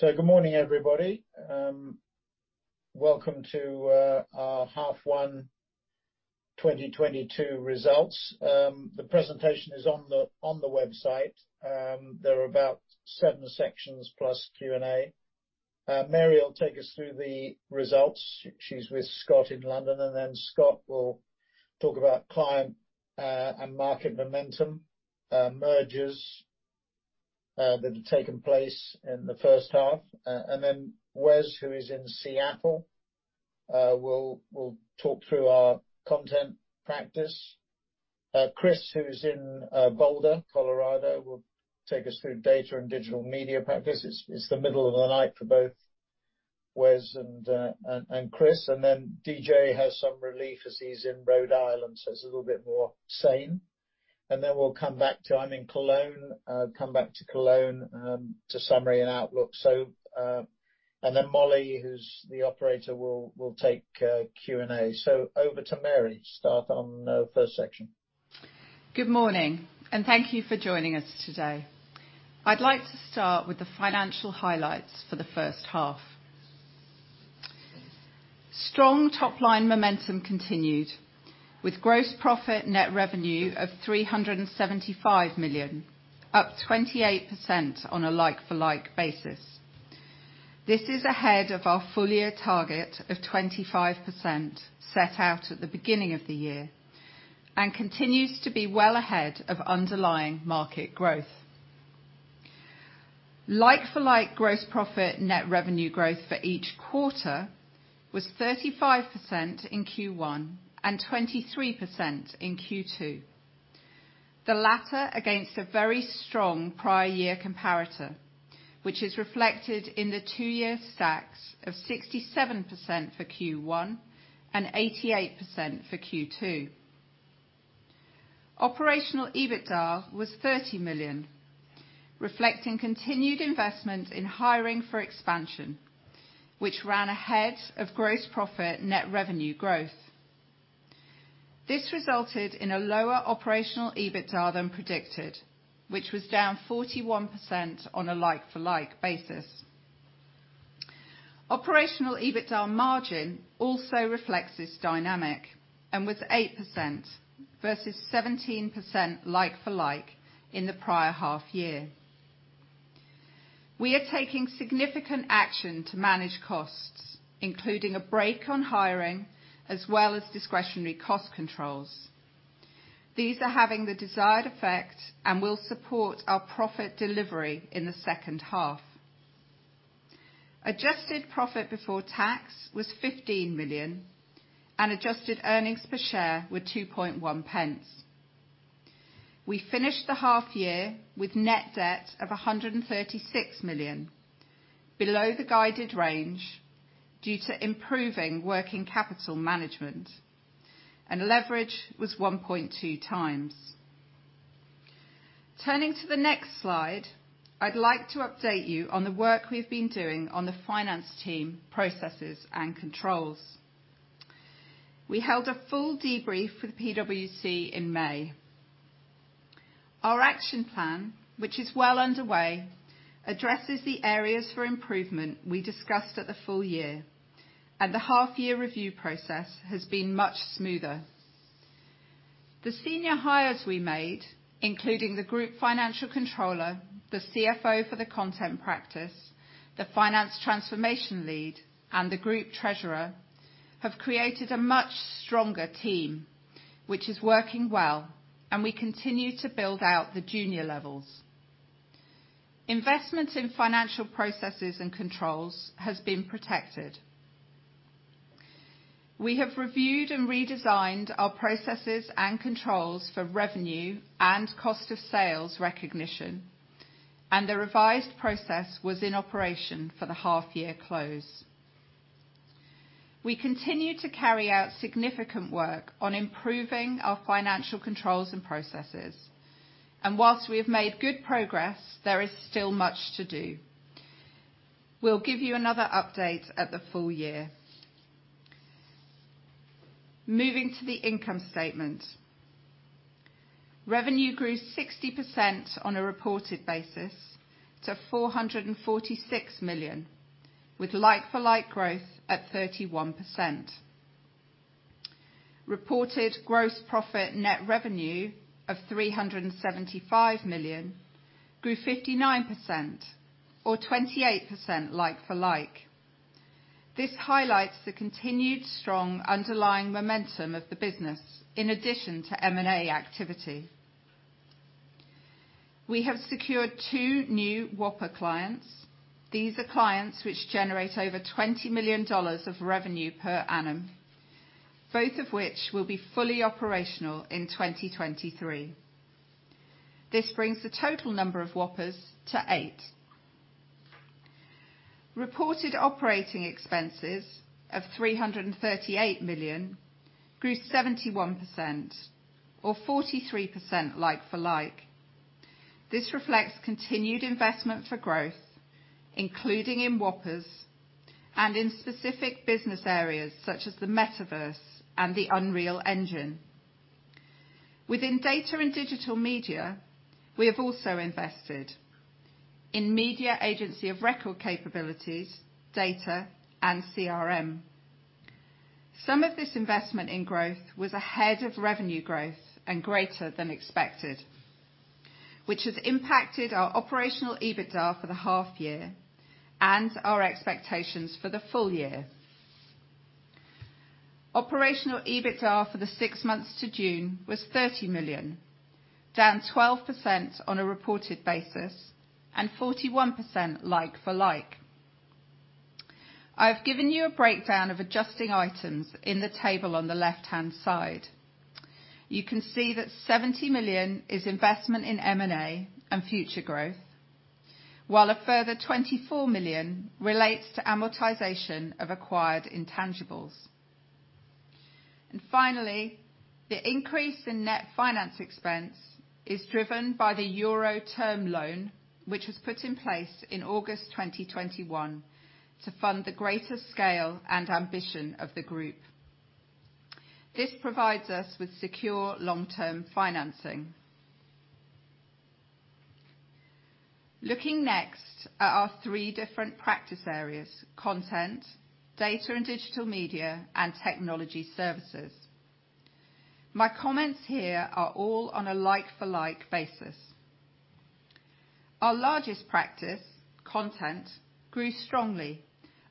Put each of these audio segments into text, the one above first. Good morning, everybody. Welcome to our H1 2022 results. The presentation is on the website. There are about seven sections plus Q&A. Mary will take us through the results. She's with Scott in London, and then Scott will talk about client and market momentum, mergers that have taken place in the first half. Then Wes, who is in Seattle, will talk through our content practice. Chris, who is in Boulder, Colorado, will take us through Data & Digital Media practice. It's the middle of the night for both Wes and Chris. Then DJ has some relief as he's in Rhode Island, so it's a little bit more sane. Then we'll come back to me. I'm in Cologne. Come back to closing to summary and outlook. Molly, who's the operator, will take Q&A. Over to Mary to start on first section. Good morning, and thank you for joining us today. I'd like to start with the financial highlights for the first half. Strong top-line momentum continued with gross profit net revenue of 375 million, up 28% on a like-for-like basis. This is ahead of our full year target of 25% set out at the beginning of the year and continues to be well ahead of underlying market growth. Like-for-like gross profit net revenue growth for each quarter was 35% in Q1 and 23% in Q2. The latter against a very strong prior year comparator, which is reflected in the two-year stacks of 67% for Q1 and 88% for Q2. Operational EBITDA was 30 million, reflecting continued investment in hiring for expansion, which ran ahead of gross profit net revenue growth. This resulted in a lower operational EBITDA than predicted, which was down 41% on a like-for-like basis. Operational EBITDA margin also reflects this dynamic and was 8% versus 17% like-for-like in the prior half year. We are taking significant action to manage costs, including a brake on hiring as well as discretionary cost controls. These are having the desired effect and will support our profit delivery in the second half. Adjusted profit before tax was 15 million and adjusted earnings per share were 0.021. We finished the half year with net debt of 136 million, below the guided range due to improving working capital management, and leverage was 1.2x. Turning to the next slide, I'd like to update you on the work we've been doing on the finance team, processes and controls. We held a full debrief with PwC in May. Our action plan, which is well underway, addresses the areas for improvement we discussed at the full year, and the half year review process has been much smoother. The senior hires we made, including the group financial controller, the CFO for the content practice, the finance transformation lead, and the group treasurer, have created a much stronger team which is working well, and we continue to build out the junior levels. Investment in financial processes and controls has been protected. We have reviewed and redesigned our processes and controls for revenue and cost of sales recognition, and the revised process was in operation for the half year close. We continue to carry out significant work on improving our financial controls and processes, and while we have made good progress, there is still much to do. We'll give you another update at the full year. Moving to the income statement. Revenue grew 60% on a reported basis to 446 million, with like-for-like growth at 31%. Reported gross profit net revenue of 375 million grew 59% or 28% like-for-like. This highlights the continued strong underlying momentum of the business in addition to M&A activity. We have secured two new whopper clients. These are clients which generate over $20 million of revenue per annum, both of which will be fully operational in 2023. This brings the total number of whoppers to eight. Reported operating expenses of 338 million grew 71% or 43% like-for-like. This reflects continued investment for growth, including in whoppers and in specific business areas such as the Metaverse and the Unreal Engine. Within Data & Digital Media, we have also invested in media agency of record capabilities, data, and CRM. Some of this investment in growth was ahead of revenue growth and greater than expected, which has impacted our operational EBITDA for the half year and our expectations for the full year. Operational EBITDA for the six months to June was 30 million, down 12% on a reported basis, and 41% like-for-like. I've given you a breakdown of adjusting items in the table on the left-hand side. You can see that 70 million is investment in M&A and future growth, while a further 24 million relates to amortization of acquired intangibles. Finally, the increase in net finance expense is driven by the euro term loan, which was put in place in August 2021 to fund the greater scale and ambition of the group. This provides us with secure long-term financing. Looking next at our three different practice areas, Content, Data & Digital Media, and Technology Services. My comments here are all on a like-for-like basis. Our largest practice, content, grew strongly,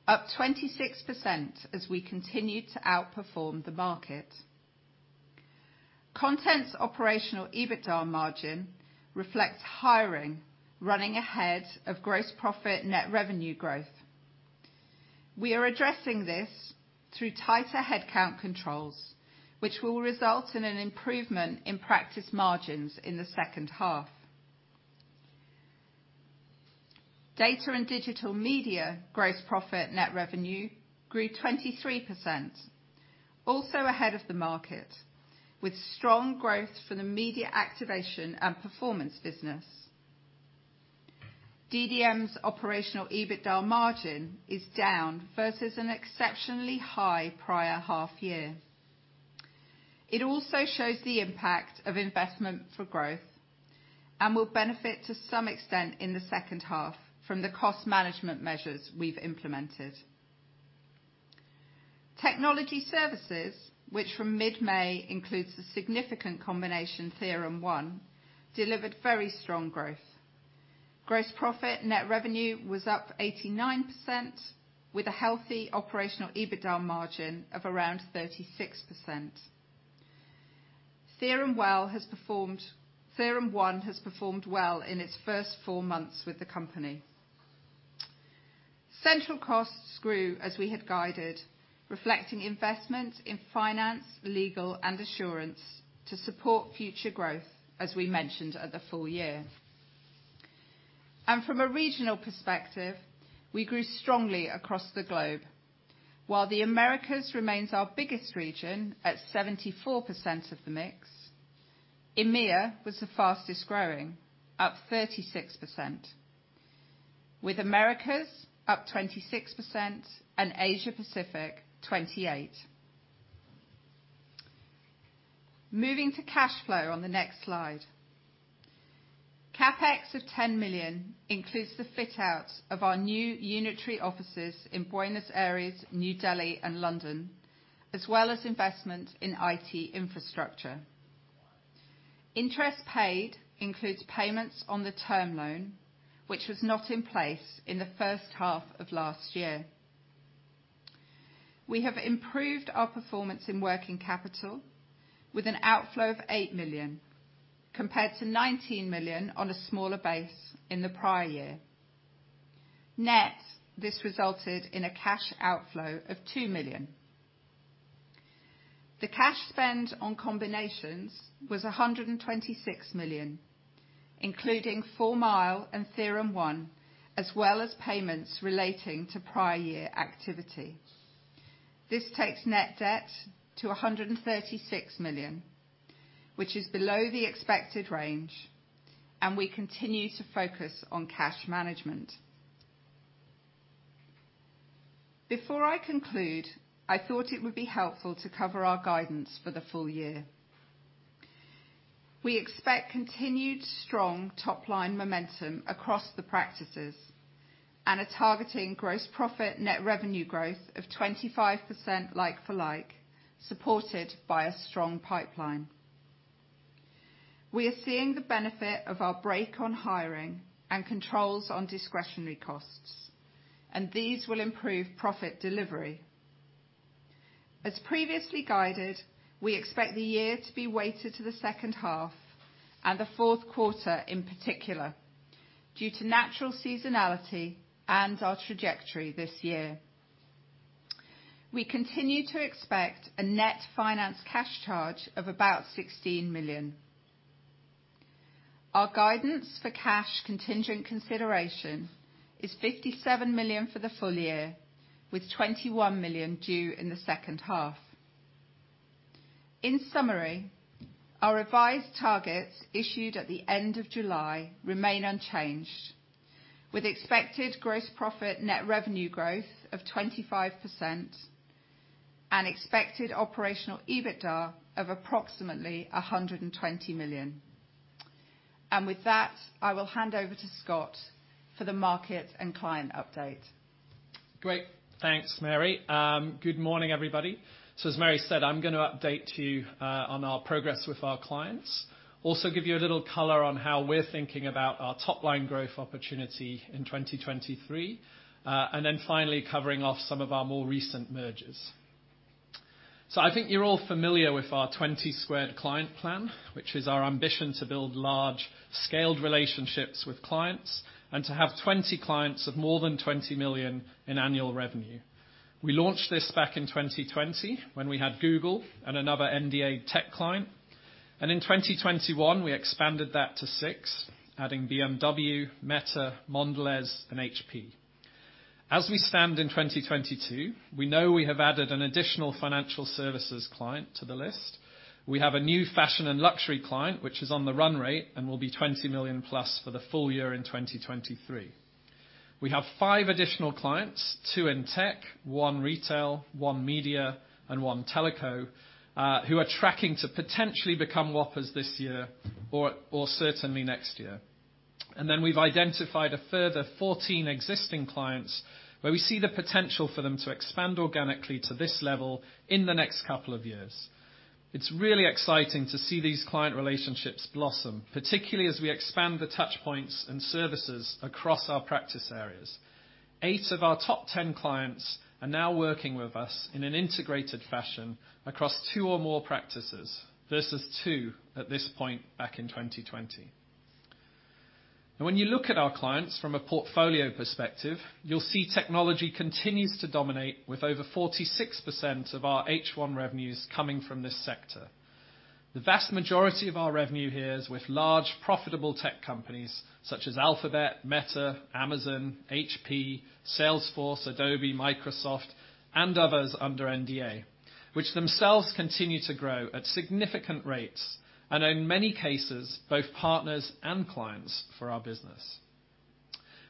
up 26% as we continued to outperform the market. Content's operational EBITDA margin reflects hiring, running ahead of gross profit net revenue growth. We are addressing this through tighter headcount controls, which will result in an improvement in practice margins in the second half. Data & Digital Media gross profit net revenue grew 23%, also ahead of the market with strong growth for the media activation and performance business. DDM's operational EBITDA margin is down versus an exceptionally high prior half year. It also shows the impact of investment for growth and will benefit to some extent in the second half from the cost management measures we've implemented. Technology Services, which from mid-May includes the significant combination TheoremOne, delivered very strong growth. Gross profit net revenue was up 89% with a healthy operational EBITDA margin of around 36%. TheoremOne has performed well in its first four months with the company. Central costs grew as we had guided, reflecting investment in finance, legal, and assurance to support future growth, as we mentioned at the full year. From a regional perspective, we grew strongly across the globe. While the Americas remains our biggest region at 74% of the mix, EMEA was the fastest growing, up 36%, with Americas up 26% and Asia Pacific 28%. Moving to cash flow on the next slide. CapEx of 10 million includes the fit-outs of our new unitary offices in Buenos Aires, New Delhi, and London, as well as investment in IT infrastructure. Interest paid includes payments on the term loan, which was not in place in the first half of last year. We have improved our performance in working capital with an outflow of 8 million compared to 19 million on a smaller base in the prior year. Net, this resulted in a cash outflow of 2 million. The cash spend on combinations was 126 million, including 4 Mile Analytics and TheoremOne, as well as payments relating to prior year activity. This takes net debt to 136 million, which is below the expected range, and we continue to focus on cash management. Before I conclude, I thought it would be helpful to cover our guidance for the full year. We expect continued strong top-line momentum across the practices and are targeting gross profit net revenue growth of 25% like-for-like, supported by a strong pipeline. We are seeing the benefit of our brake on hiring and controls on discretionary costs, and these will improve profit delivery. As previously guided, we expect the year to be weighted to the second half and the fourth quarter, in particular, due to natural seasonality and our trajectory this year. We continue to expect a net finance cash charge of about 16 million. Our guidance for cash contingent consideration is 57 million for the full year, with 21 million due in the second half. In summary, our revised targets issued at the end of July remain unchanged. With expected gross profit net revenue growth of 25% and expected operational EBITDA of approximately 120 million. With that, I will hand over to Scott for the market and client update. Great. Thanks, Mary. Good morning, everybody. As Mary said, I'm gonna update you on our progress with our clients. Also give you a little color on how we're thinking about our top-line growth opportunity in 2023. Finally covering off some of our more recent mergers. I think you're all familiar with our 20² client plan, which is our ambition to build large-scale relationships with clients and to have 20 clients of more than $20 million in annual revenue. We launched this back in 2020 when we had Google and another NDA tech client. In 2021, we expanded that to six, adding BMW, Meta, Mondelēz, and HP. As we stand in 2022, we know we have added an additional financial services client to the list. We have a new fashion and luxury client, which is on the run rate and will be $20 million+ for the full year in 2023. We have five additional clients, two in tech, one retail, one media, and one telecom, who are tracking to potentially become whoppers this year or certainly next year. We've identified a further 14 existing clients where we see the potential for them to expand organically to this level in the next couple of years. It's really exciting to see these client relationships blossom, particularly as we expand the touch points and services across our practice areas. Eight of our top 10 clients are now working with us in an integrated fashion across two or more practices versus two at this point back in 2020. Now when you look at our clients from a portfolio perspective, you'll see technology continues to dominate with over 46% of our H1 revenues coming from this sector. The vast majority of our revenue here is with large profitable tech companies such as Alphabet, Meta, Amazon, HP, Salesforce, Adobe, Microsoft, and others under NDA, which themselves continue to grow at significant rates, and in many cases, both partners and clients for our business.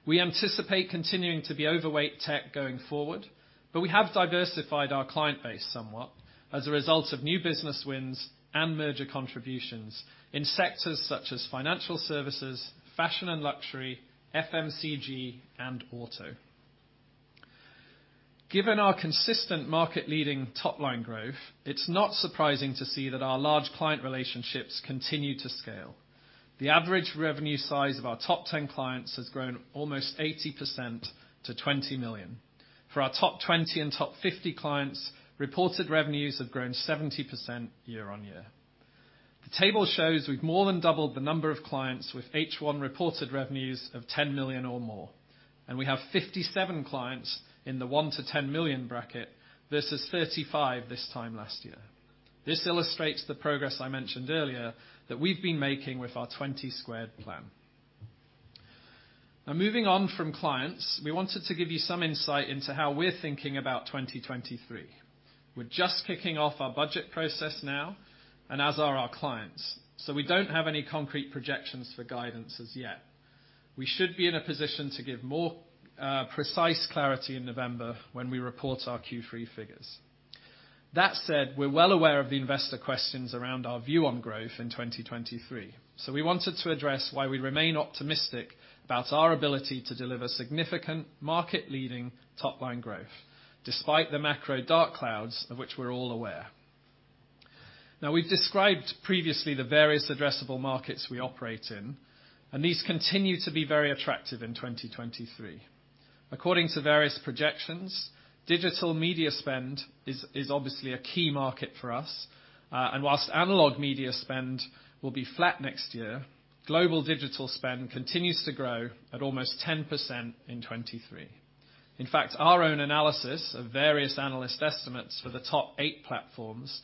We anticipate continuing to be overweight tech going forward, but we have diversified our client base somewhat as a result of new business wins and merger contributions in sectors such as financial services, fashion and luxury, FMCG, and auto. Given our consistent market leading top-line growth, it's not surprising to see that our large client relationships continue to scale. The average revenue size of our top 10 clients has grown almost 80% to $20 million. For our top 20 and top 50 clients, reported revenues have grown 70% year-on-year. The table shows we've more than doubled the number of clients with H1 reported revenues of $10 million or more. We have 57 clients in the $1 million-$10 million bracket versus 35 this time last year. This illustrates the progress I mentioned earlier that we've been making with our 20² plan. Now moving on from clients, we wanted to give you some insight into how we're thinking about 2023. We're just kicking off our budget process now, and as are our clients, so we don't have any concrete projections for guidance as yet. We should be in a position to give more precise clarity in November when we report our Q3 figures. That said, we're well aware of the investor questions around our view on growth in 2023, so we wanted to address why we remain optimistic about our ability to deliver significant market leading top line growth despite the macro dark clouds of which we're all aware. Now we've described previously the various addressable markets we operate in, and these continue to be very attractive in 2023. According to various projections, digital media spend is obviously a key market for us. While analog media spend will be flat next year, global digital spend continues to grow at almost 10% in 2023. In fact, our own analysis of various analyst estimates for the top eight platforms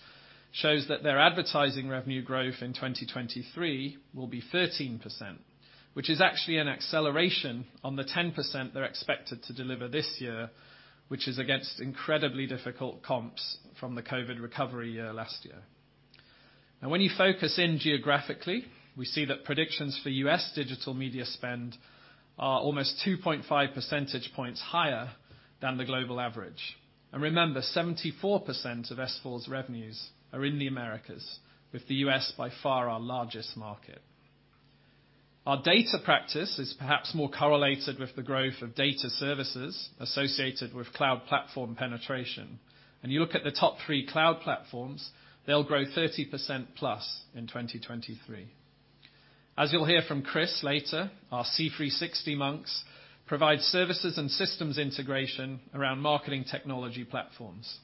shows that their advertising revenue growth in 2023 will be 13%, which is actually an acceleration on the 10% they're expected to deliver this year, which is against incredibly difficult comps from the COVID recovery year last year. Now when you focus in geographically, we see that predictions for U.S. digital media spend are almost 2.5 percentage points higher than the global average. Remember, 74% of S4's revenues are in the Americas with the U.S. by far our largest market. Our data practice is perhaps more correlated with the growth of data services associated with cloud platform penetration. When you look at the top three cloud platforms, they'll grow 30% plus in 2023. As you'll hear from Chris later, our C360.Monks provide services and systems integration around marketing technology platforms.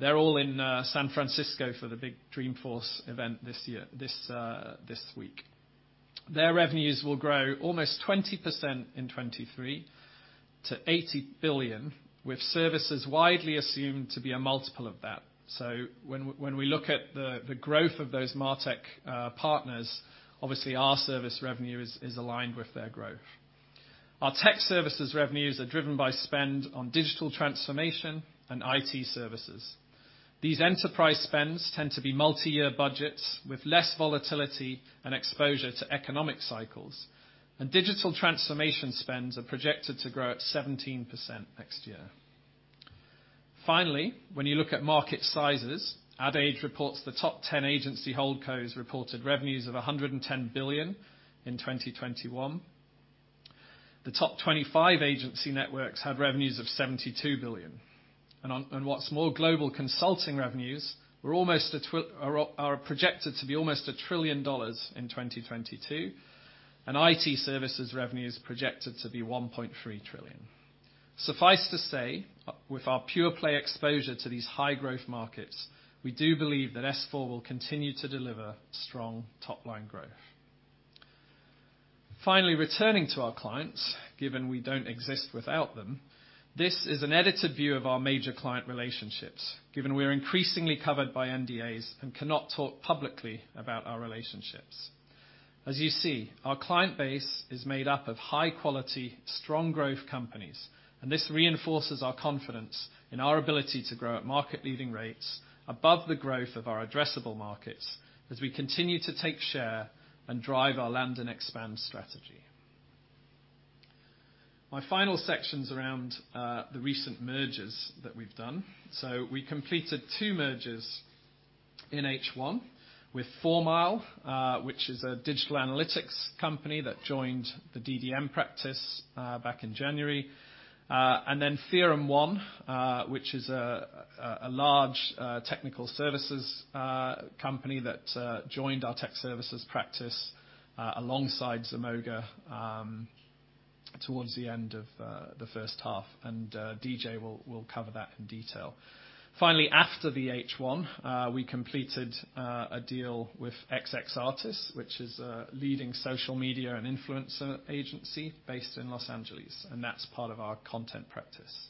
They're all in San Francisco for the big Dreamforce event this year, this week. Their revenues will grow almost 20% in 2023 to $80 billion with services widely assumed to be a multiple of that. When we look at the growth of those MarTech partners, obviously our service revenue is aligned with their growth. Our Technology Services revenues are driven by spend on digital transformation and IT services. These enterprise spends tend to be multi-year budgets with less volatility and exposure to economic cycles. Digital transformation spends are projected to grow at 17% next year. Finally, when you look at market sizes, Ad Age reports the top ten agency holdcos reported revenues of $110 billion in 2021. The top 25 agency networks had revenues of $72 billion. What's more, global consulting revenues are projected to be almost $1 trillion in 2022, and IT services revenue is projected to be $1.3 trillion. Suffice to say, with our pure play exposure to these high growth markets, we do believe that S4 will continue to deliver strong top-line growth. Finally, returning to our clients, given we don't exist without them, this is an edited view of our major client relationships, given we are increasingly covered by NDAs and cannot talk publicly about our relationships. As you see, our client base is made up of high quality, strong growth companies, and this reinforces our confidence in our ability to grow at market leading rates above the growth of our addressable markets as we continue to take share and drive our land and expand strategy. My final section's around the recent mergers that we've done. We completed two mergers in H1 with 4 Mile Analytics, which is a digital analytics company that joined the DDM practice back in January. TheoremOne, which is a large technical services company that joined our Technology Services practice, alongside Zemoga, towards the end of the first half. DJ will cover that in detail. Finally, after the H1, we completed a deal with XX Artists, which is a leading social media and influencer agency based in Los Angeles, and that's part of our content practice.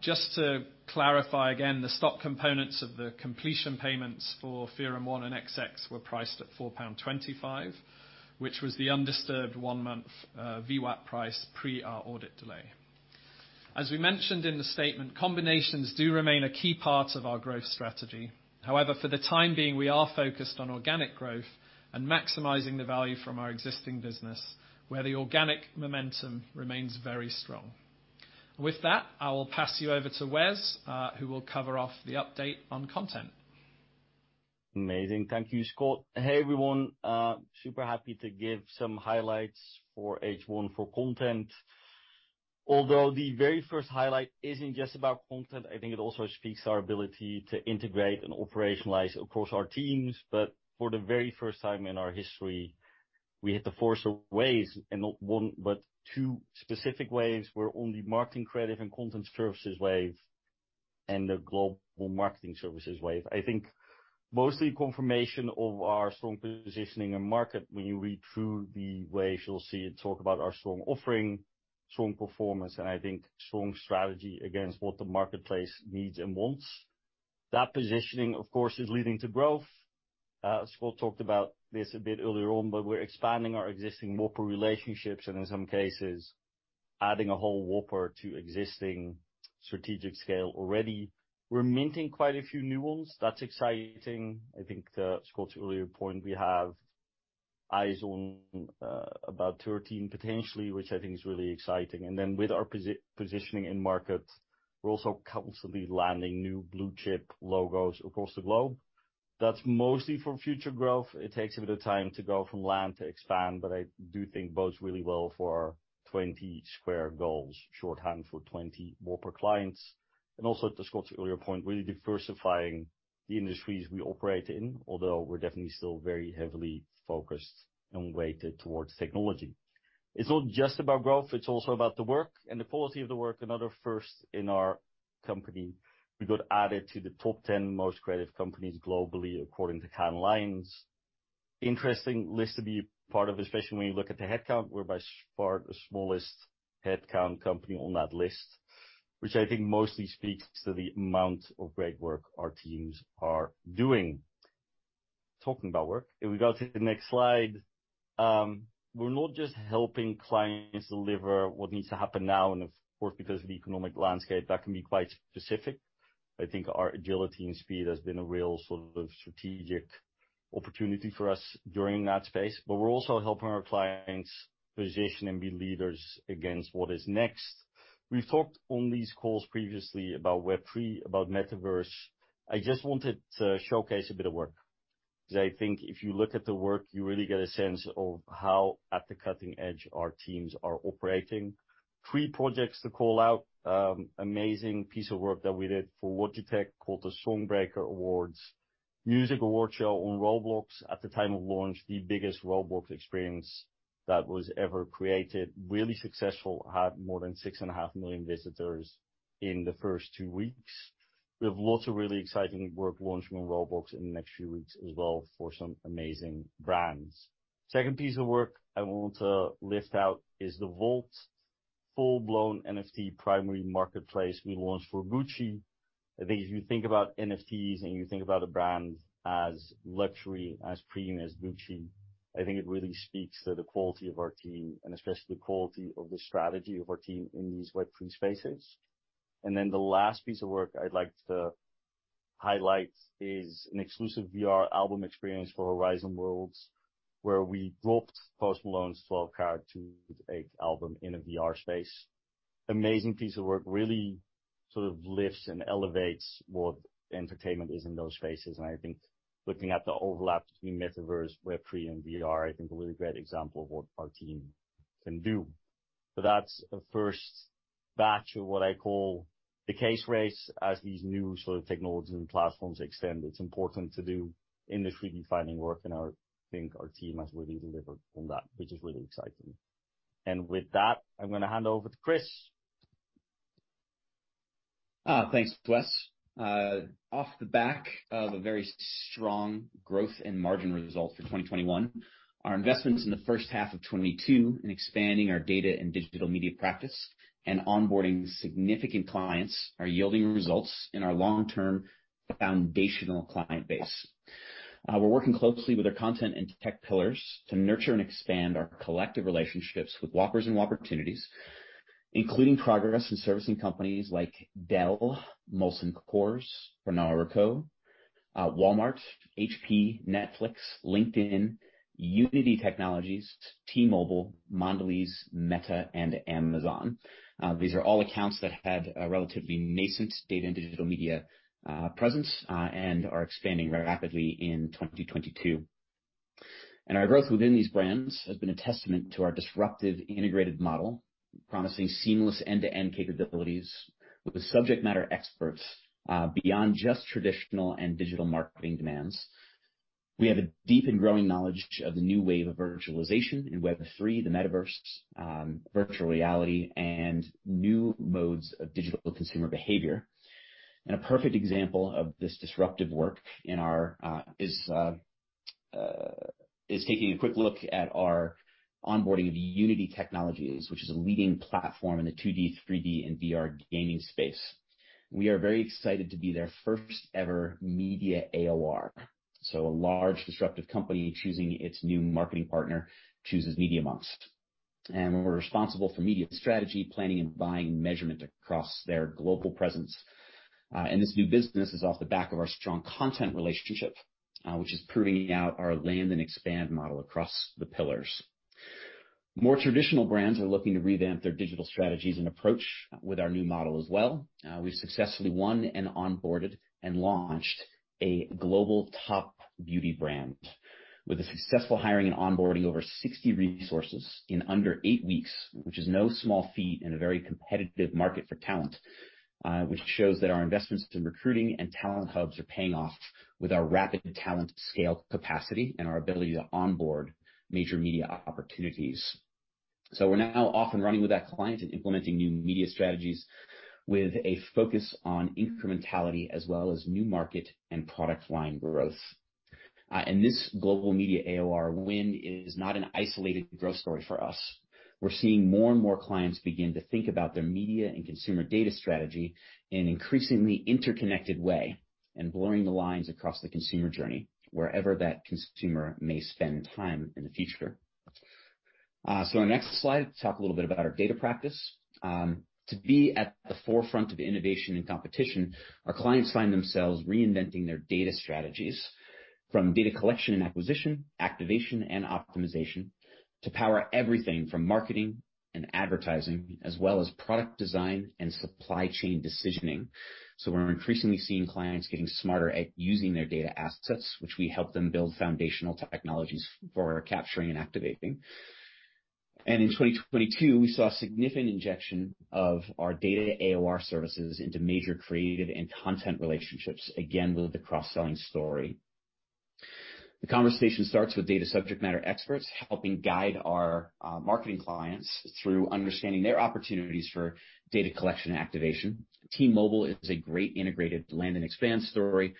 Just to clarify again, the stock components of the completion payments for TheoremOne and XX Artists were priced at 4.25 pound, which was the undisturbed one-month VWAP price pre our audit delay. As we mentioned in the statement, combinations do remain a key part of our growth strategy. However, for the time being, we are focused on organic growth and maximizing the value from our existing business, where the organic momentum remains very strong. With that, I will pass you over to Wes, who will cover off the update on content. Amazing. Thank you, Scott. Hey, everyone. Super happy to give some highlights for H1 for content. Although the very first highlight isn't just about content, I think it also speaks to our ability to integrate and operationalize across our teams. For the very first time in our history, we hit the Forrester Waves in not one, but two specific waves. We're on the Marketing, Creative, and Content Services Wave and the Global Marketing Services Wave. I think mostly confirmation of our strong positioning in market. When you read through the waves, you'll see it talk about our strong offering, strong performance, and I think strong strategy against what the marketplace needs and wants. That positioning, of course, is leading to growth. Scott talked about this a bit earlier on, but we're expanding our existing whopper relationships and in some cases adding a whole whopper to existing strategic scale already. We're minting quite a few new ones. That's exciting. I think to Scott's earlier point, we have eyes on about 13 potentially, which I think is really exciting. With our positioning in market, we're also constantly landing new blue chip logos across the globe. That's mostly for future growth. It takes a bit of time to go from land and expand, but I do think bodes really well for our 20² goals, shorthand for 20 whopper clients. Also to Scott's earlier point, really diversifying the industries we operate in, although we're definitely still very heavily focused and weighted towards technology. It's not just about growth, it's also about the work and the quality of the work. Another first in our company, we got added to the top 10 most creative companies globally according to Cannes Lions. Interesting list to be part of, especially when you look at the headcount. We're by far the smallest headcount company on that list, which I think mostly speaks to the amount of great work our teams are doing. Talking about work, if we go to the next slide, we're not just helping clients deliver what needs to happen now. Of course, because of the economic landscape, that can be quite specific. I think our agility and speed has been a real sort of strategic opportunity for us during that space. We're also helping our clients position and be leaders against what is next. We've talked on these calls previously about Web3, about Metaverse. I just wanted to showcase a bit of work because I think if you look at the work, you really get a sense of how at the cutting edge our teams are operating. Three projects to call out. Amazing piece of work that we did for Logitech called the Song Breaker Awards. Music award show on Roblox. At the time of launch, the biggest Roblox experience that was ever created. Really successful. Had more than 6.5 million visitors in the first two weeks. We have lots of really exciting work launching on Roblox in the next few weeks as well for some amazing brands. Second piece of work I want to lift out is the Gucci Vault full-blown NFT primary marketplace we launched for Gucci. I think if you think about NFTs and you think about a brand as luxury, as premium as Gucci, I think it really speaks to the quality of our team and especially the quality of the strategy of our team in these Web3 spaces. The last piece of work I'd like to highlight is an exclusive VR album experience for Horizon Worlds, where we dropped Post Malone's Twelve Carat Toothache album in a VR space. Amazing piece of work, really sort of lifts and elevates what entertainment is in those spaces. I think looking at the overlap between Metaverse, Web3 and VR, I think a really great example of what our team can do. That's the first batch of what I call the case race. As these new sort of technologies and platforms extend, it's important to do industry defining work, and I think our team has really delivered on that, which is really exciting. With that, I'm gonna hand over to Chris. Thanks, Wes. Off the back of a very strong growth and margin result for 2021, our investments in the first half of 2022 in expanding our Data & Digital Media practice and onboarding significant clients are yielding results in our long-term foundational client base. We're working closely with our content and tech pillars to nurture and expand our collective relationships with whoppers and opportunities, including progress in servicing companies like Dell, Molson Coors, Pernod Ricard, Walmart, HP, Netflix, LinkedIn, Unity Technologies, T-Mobile, Mondelēz, Meta, and Amazon. These are all accounts that had a relatively nascent Data & Digital Media presence and are expanding rapidly in 2022. Our growth within these brands has been a testament to our disruptive integrated model, promising seamless end-to-end capabilities with subject matter experts beyond just traditional and digital marketing demands. We have a deep and growing knowledge of the new wave of virtualization in Web3, the Metaverse, virtual reality and new modes of digital consumer behavior. A perfect example of this disruptive work is taking a quick look at our onboarding of Unity Technologies, which is a leading platform in the 2D, 3D and VR gaming space. We are very excited to be their first ever media AOR. A large disruptive company choosing its new marketing partner chooses Media.Monks. We're responsible for media strategy, planning and buying measurement across their global presence. This new business is off the back of our strong content relationship, which is proving out our land and expand model across the pillars. More traditional brands are looking to revamp their digital strategies and approach with our new model as well. We've successfully won and onboarded and launched a global top beauty brand with the successful hiring and onboarding over 60 resources in under eight weeks, which is no small feat in a very competitive market for talent, which shows that our investments in recruiting and talent hubs are paying off with our rapid talent scale capacity and our ability to onboard major media opportunities. We're now off and running with that client and implementing new media strategies with a focus on incrementality as well as new market and product line growth. This global media AOR win is not an isolated growth story for us. We're seeing more and more clients begin to think about their media and consumer data strategy in an increasingly interconnected way and blurring the lines across the consumer journey wherever that consumer may spend time in the future. Our next slide, talk a little bit about our data practice. To be at the forefront of innovation and competition, our clients find themselves reinventing their data strategies from data collection and acquisition, activation and optimization to power everything from marketing and advertising, as well as product design and supply chain decisioning. We're increasingly seeing clients getting smarter at using their data assets, which we help them build foundational technologies for capturing and activating. In 2022, we saw significant injection of our data AOR services into major creative and content relationships, again, with the cross-selling story. The conversation starts with data subject matter experts helping guide our marketing clients through understanding their opportunities for data collection activation. T-Mobile is a great integrated land and expand story,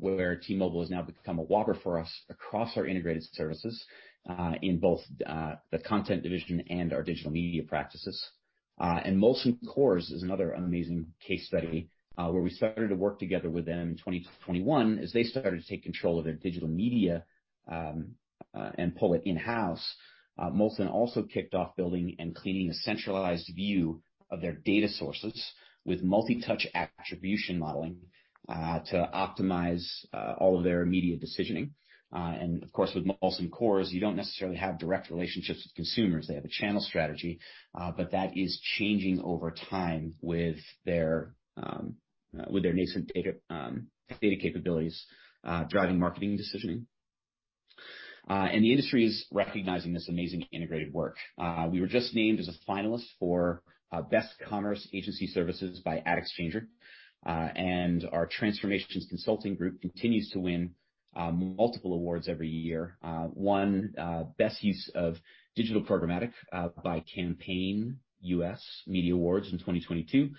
where T-Mobile has now become a whopper for us across our integrated services, in both the content division and our Data & Digital Media practices. Molson Coors is another amazing case study, where we started to work together with them in 2021 as they started to take control of their digital media and pull it in-house. Molson also kicked off building and cleaning a centralized view of their data sources with multi-touch attribution modeling to optimize all of their media decisioning. Of course, with Molson Coors, you don't necessarily have direct relationships with consumers. They have a channel strategy, but that is changing over time with their nascent data capabilities driving marketing decisioning. The industry is recognizing this amazing integrated work. We were just named as a finalist for Best Commerce Agency Services by AdExchanger. Our transformations consulting group continues to win multiple awards every year. One, Best Use of Digital Programmatic by Campaign US Media Awards in 2022.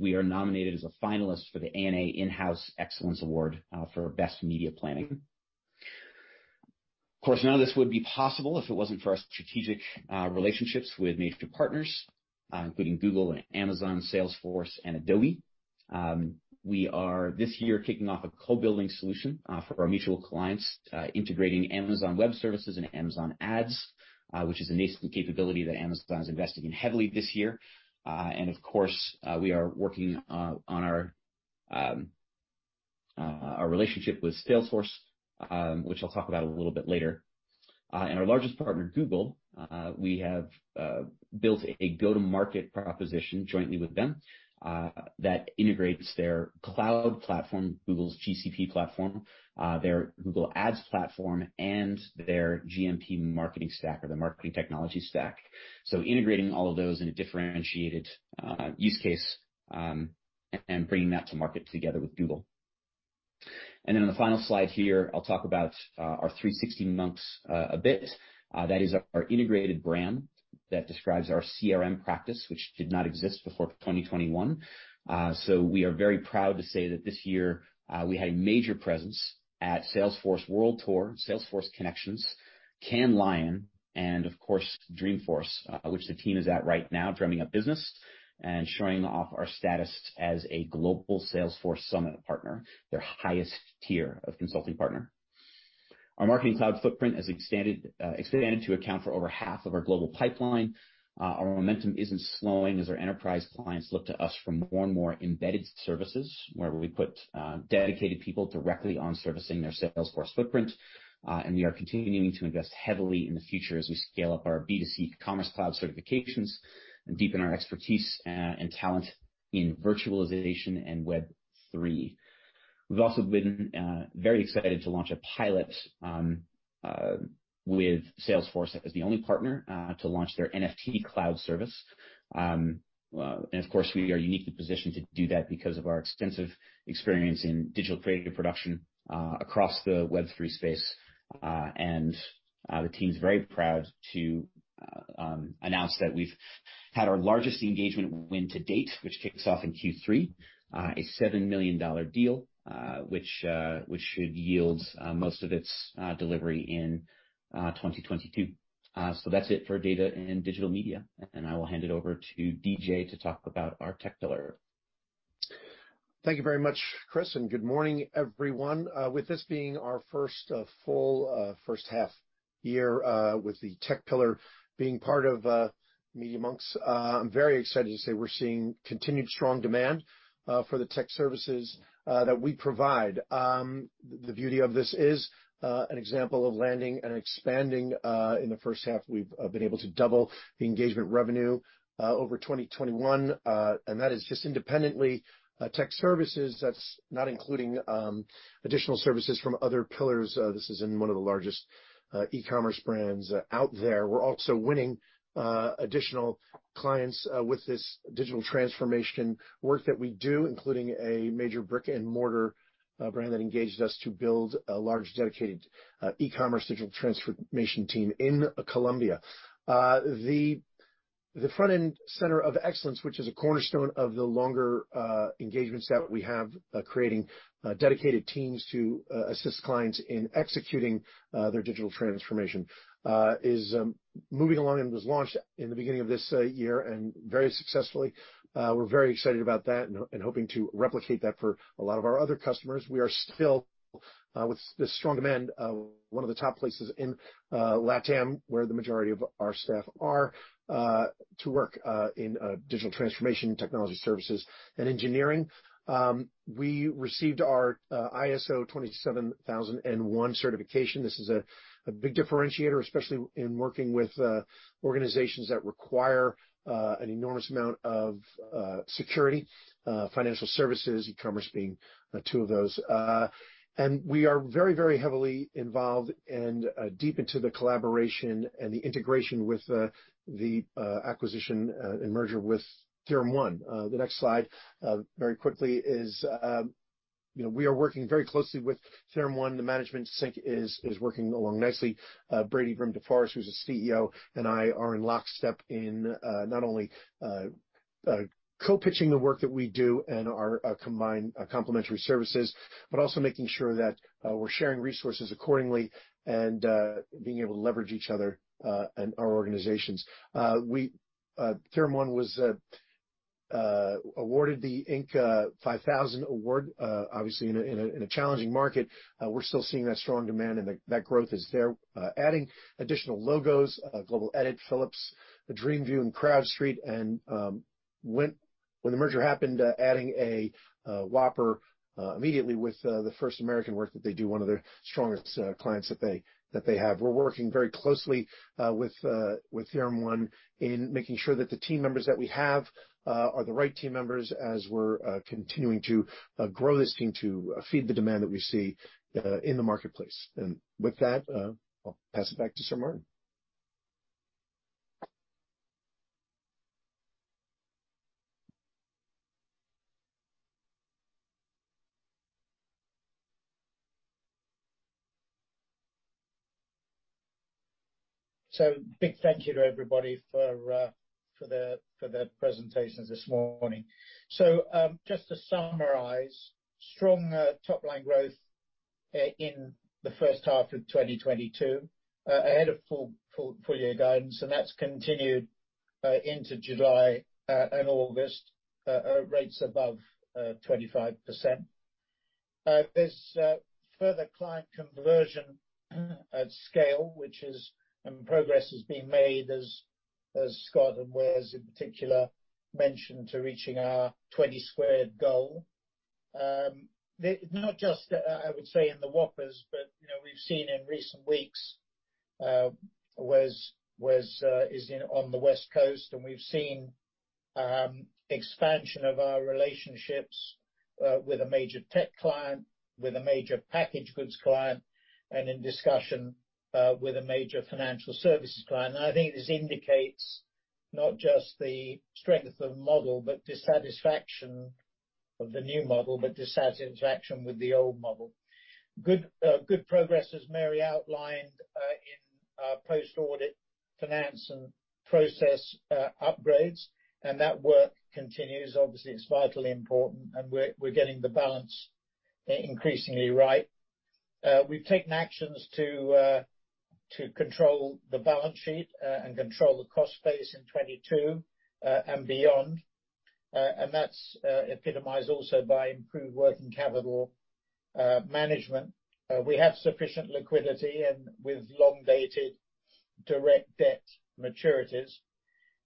We are nominated as a finalist for the ANA In-House Excellence Award for Best Media Planning. Of course, none of this would be possible if it wasn't for our strategic relationships with major partners, including Google and Amazon, Salesforce and Adobe. We are this year kicking off a co-building solution for our mutual clients, integrating Amazon Web Services and Amazon Ads, which is a nascent capability that Amazon is investing in heavily this year. Of course, we are working on our relationship with Salesforce, which I'll talk about a little bit later. Our largest partner, Google, we have built a go-to-market proposition jointly with them, that integrates their cloud platform, Google's GCP platform, their Google Ads platform, and their GMP marketing stack or their marketing technology stack. Integrating all of those in a differentiated use case, and bringing that to market together with Google. On the final slide here, I'll talk about our C360.Monks a bit. That is our integrated brand that describes our CRM practice, which did not exist before 2021. We are very proud to say that this year, we had a major presence at Salesforce World Tour, Salesforce Connections, Cannes Lions, and of course, Dreamforce, which the team is at right now drumming up business and showing off our status as a global Salesforce Summit partner, their highest tier of consulting partner. Our Marketing Cloud footprint has expanded to account for over half of our global pipeline. Our momentum isn't slowing as our enterprise clients look to us for more and more embedded services, where we put dedicated people directly on servicing their Salesforce footprint. We are continuing to invest heavily in the future as we scale up our B2C Commerce Cloud certifications and deepen our expertise, and talent in virtualization and Web3. We've also been very excited to launch a pilot with Salesforce as the only partner to launch their NFT Cloud service. Of course, we are uniquely positioned to do that because of our extensive experience in digital creative production across the Web3 space. The team's very proud to announce that we've had our largest engagement win to date, which kicks off in Q3, a $7 million deal, which should yield most of its delivery in 2022. That's it for Data & Digital Media, and I will hand it over to DJ to talk about our tech pillar. Thank you very much, Chris, and good morning, everyone. With this being our first full half year with the tech pillar being part of Media.Monks, I'm very excited to say we're seeing continued strong demand for the tech services that we provide. The beauty of this is an example of land and expand. In the first half, we've been able to double the engagement revenue over 2021, and that is just independently Technology Services. That's not including additional services from other pillars. This is in one of the largest e-commerce brands out there. We're also winning additional clients with this digital transformation work that we do, including a major brick-and-mortar brand that engaged us to build a large dedicated e-commerce digital transformation team in Colombia. The front-end center of excellence, which is a cornerstone of the longer engagements that we have, creating dedicated teams to assist clients in executing their digital transformation, is moving along and was launched in the beginning of this year and very successfully. We're very excited about that and hoping to replicate that for a lot of our other customers. We are still, with the strong demand, one of the top places in LatAm, where the majority of our staff are to work in digital transformation, technology services, and engineering. We received our ISO 27001 certification. This is a big differentiator, especially in working with organizations that require an enormous amount of security, financial services, e-commerce being two of those. We are very, very heavily involved and deep into the collaboration and the integration with the acquisition and merger with TheoremOne. The next slide very quickly is, you know, we are working very closely with TheoremOne. The management sync is working along nicely. Brady Brim-DeForest, who's the CEO, and I are in lockstep in not only co-pitching the work that we do and our combined complementary services, but also making sure that we're sharing resources accordingly and being able to leverage each other and our organizations. TheoremOne was awarded the Inc. 5000 award, obviously in a challenging market. We're still seeing that strong demand, and that growth is there. Adding additional logos, globaledit, Philips, DreamView, and CrowdStreet. When the merger happened, adding a whopper immediately with the First American work that they do, one of their strongest clients that they have. We're working very closely with TheoremOne in making sure that the team members that we have are the right team members as we're continuing to grow this team to feed the demand that we see in the marketplace. With that, I'll pass it back to Sir Martin. Big thank you to everybody for their presentations this morning. Just to summarize, strong top line growth in the first half of 2022 ahead of full year guidance, and that's continued into July and August, rates above 25%. There's further client conversion at scale, progress is being made as As Scott and Wes in particular mentioned to reaching our 20² goal. Not just, I would say, in the whoppers, but, you know, we've seen in recent weeks, Wes is on the West Coast, and we've seen expansion of our relationships with a major tech client, with a major packaged goods client, and in discussion with a major financial services client. I think this indicates not just the strength of model, but dissatisfaction with the old model. Good progress, as Mary outlined, in post-audit finance and process upgrades, and that work continues. Obviously, it's vitally important, and we're getting the balance increasingly right. We've taken actions to control the balance sheet and control the cost base in 2022 and beyond. That's epitomized also by improved working capital management. We have sufficient liquidity and with long-dated direct debt maturities.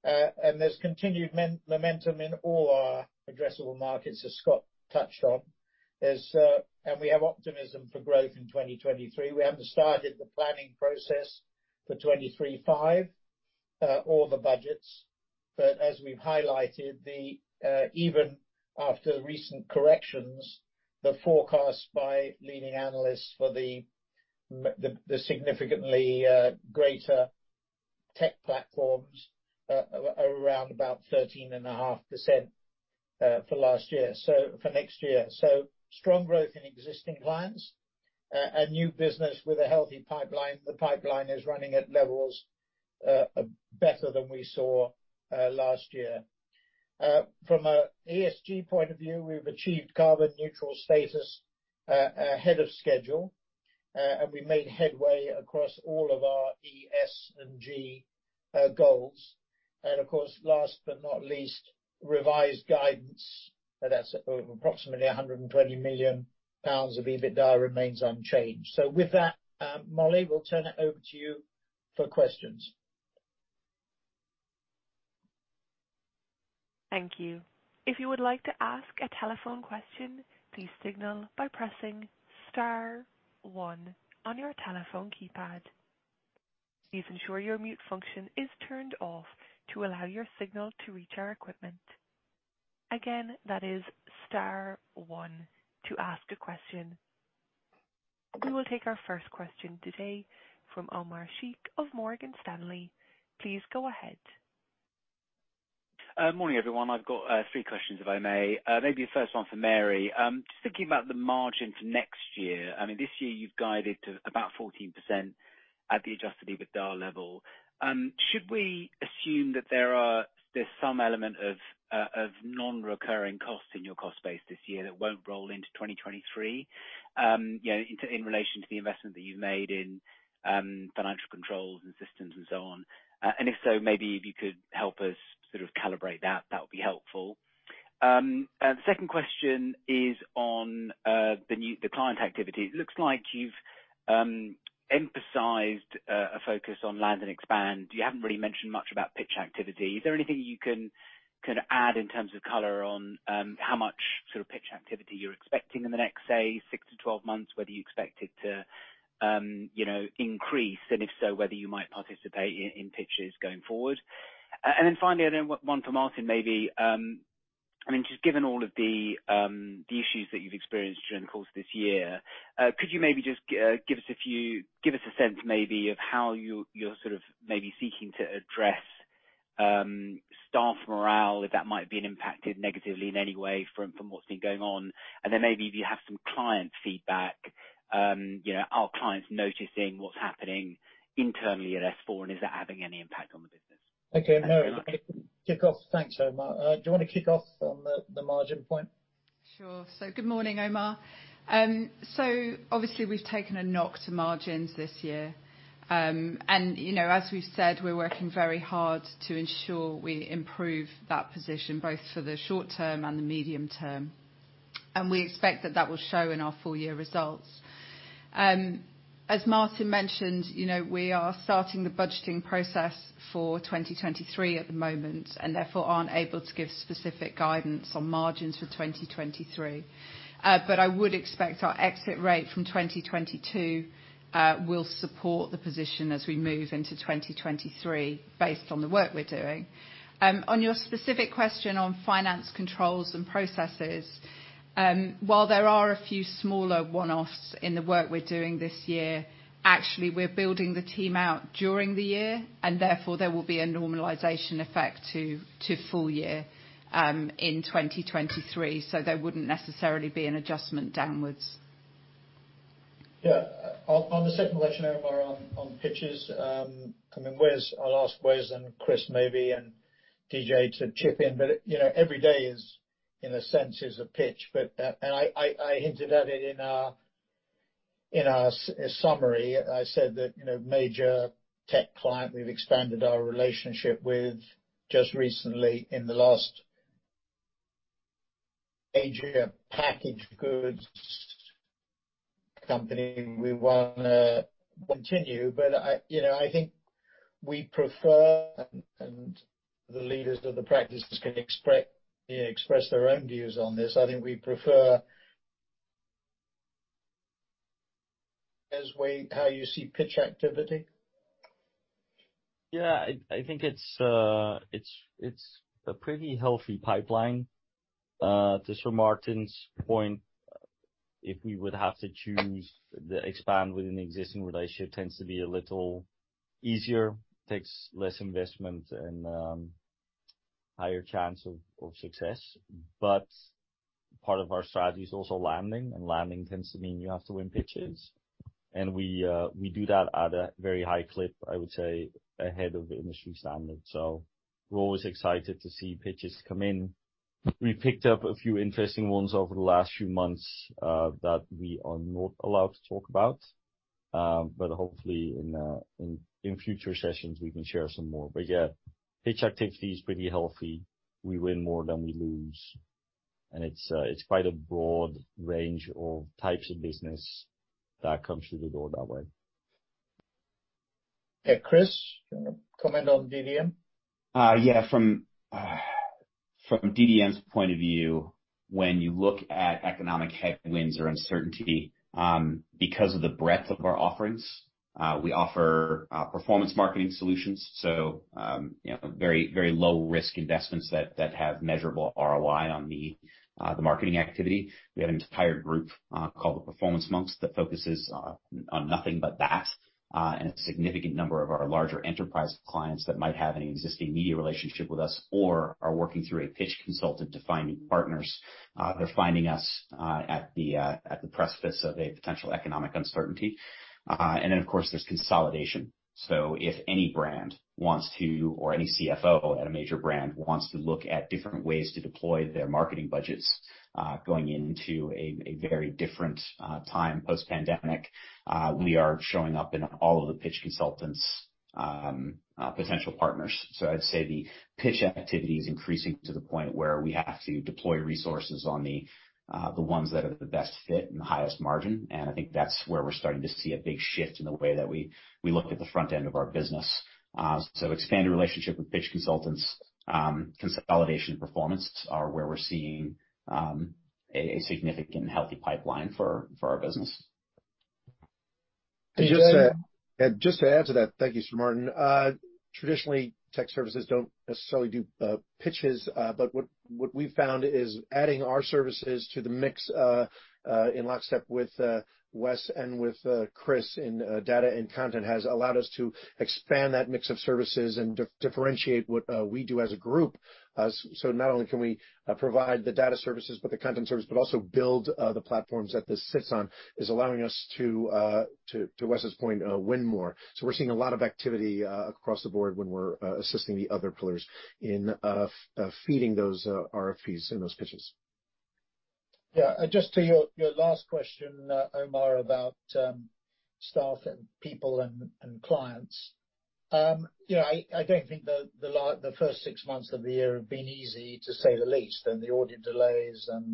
There's continued momentum in all our addressable markets, as Scott touched on. There's optimism for growth in 2023. We haven't started the planning process for 2023-2025 or the budgets. As we've highlighted, even after recent corrections, the forecast by leading analysts for the significantly greater tech platforms around about 13.5% for last year, so for next year. Strong growth in existing clients and new business with a healthy pipeline. The pipeline is running at levels better than we saw last year. From an ESG point of view, we've achieved carbon neutral status ahead of schedule, and we made headway across all of our ESG goals. Of course, last but not least, revised guidance that's approximately 120 million pounds of EBITDA remains unchanged. With that, Molly, we'll turn it over to you for questions. Thank you. If you would like to ask a telephone question, please signal by pressing star one on your telephone keypad. Please ensure your mute function is turned off to allow your signal to reach our equipment. Again, that is star one to ask a question. We will take our first question today from Omar Sheikh of Morgan Stanley. Please go ahead. Morning, everyone. I've got three questions, if I may. Maybe the first one for Mary. Just thinking about the margin for next year, I mean, this year you've guided to about 14% at the adjusted EBITDA level. Should we assume that there's some element of non-recurring costs in your cost base this year that won't roll into 2023, you know, in relation to the investment that you've made in financial controls and systems and so on? If so, maybe if you could help us sort of calibrate that would be helpful. Second question is on the new client activity. It looks like you've emphasized a focus on land and expand. You haven't really mentioned much about pitch activity. Is there anything you can add in terms of color on how much sort of pitch activity you're expecting in the next, say, six to 12 months? Whether you expect it to, you know, increase, and if so, whether you might participate in pitches going forward? Finally, one for Martin, maybe. I mean, just given all of the issues that you've experienced during the course of this year, could you maybe just give us a sense maybe of how you're sort of maybe seeking to address staff morale, if that might have been impacted negatively in any way from what's been going on? Maybe if you have some client feedback, you know, are clients noticing what's happening internally at S4, and is that having any impact on the business? Okay, Mary, to kick off... Thanks, Omar. Do you wanna kick off on the margin point? Sure. Good morning, Omar. Obviously we've taken a knock to margins this year. You know, as we've said, we're working very hard to ensure we improve that position both for the short term and the medium term. We expect that will show in our full year results. As Martin mentioned, you know, we are starting the budgeting process for 2023 at the moment, and therefore aren't able to give specific guidance on margins for 2023. I would expect our exit rate from 2022 will support the position as we move into 2023 based on the work we're doing. On your specific question on finance controls and processes, while there are a few smaller one-offs in the work we're doing this year, actually, we're building the team out during the year, and therefore there will be a normalization effect to full year in 2023, so there wouldn't necessarily be an adjustment downwards. Yeah. On the second question, Omar, on pitches, I mean, Wes, I'll ask Wes and Chris maybe, and DJ to chip in, but you know, every day is, in a sense, a pitch. I hinted at it in our summary. I said that, you know, major tech client we've expanded our relationship with just recently. In the last year, Asian packaged goods company we wanna continue. I think we prefer, and the leaders of the practices can express their own views on this. I think we prefer. Wes, how you see pitch activity? Yeah. I think it's a pretty healthy pipeline. To Sir Martin's point, if we would have to choose, expanding within existing relationships tends to be a little easier, takes less investment and higher chance of success. Part of our strategy is also landing, and landing tends to mean you have to win pitches. We do that at a very high clip, I would say, ahead of industry standard. We're always excited to see pitches come in. We picked up a few interesting ones over the last few months that we are not allowed to talk about, but hopefully in future sessions, we can share some more. Yeah, pitch activity is pretty healthy. We win more than we lose, and it's quite a broad range of types of business that comes through the door that way. Okay, Chris, do you wanna comment on DDM? Yeah. From DDM's point of view, when you look at economic headwinds or uncertainty, because of the breadth of our offerings, we offer performance marketing solutions, so you know, very low risk investments that have measurable ROI on the marketing activity. We have an entire group called the Performance.Monks that focuses on nothing but that. A significant number of our larger enterprise clients that might have an existing media relationship with us or are working through a pitch consultant to find new partners, they're finding us at the precipice of a potential economic uncertainty. Of course, there's consolidation. If any brand wants to, or any CFO at a major brand wants to look at different ways to deploy their marketing budgets, going into a very different time post-pandemic, we are showing up in all of the pitch consultants' potential partners. I'd say the pitch activity is increasing to the point where we have to deploy resources on the ones that are the best fit and the highest margin, and I think that's where we're starting to see a big shift in the way that we look at the front end of our business. Expanded relationship with pitch consultants, consolidation performance are where we're seeing a significant healthy pipeline for our business. DJ? Just to add to that. Thank you, Sir Martin. Traditionally, Technology Services don't necessarily do pitches, but what we've found is adding our services to the mix in lockstep with Wes and with Chris in data and content has allowed us to expand that mix of services and differentiate what we do as a group. Not only can we provide the data services, but the content service, but also build the platforms that this sits on is allowing us to Wes' point, win more. We're seeing a lot of activity across the board when we're assisting the other pillars in feeding those RFPs and those pitches. Yeah. Just to your last question, Omar, about staff and people and clients. You know, I don't think the first six months of the year have been easy, to say the least. The audit delays and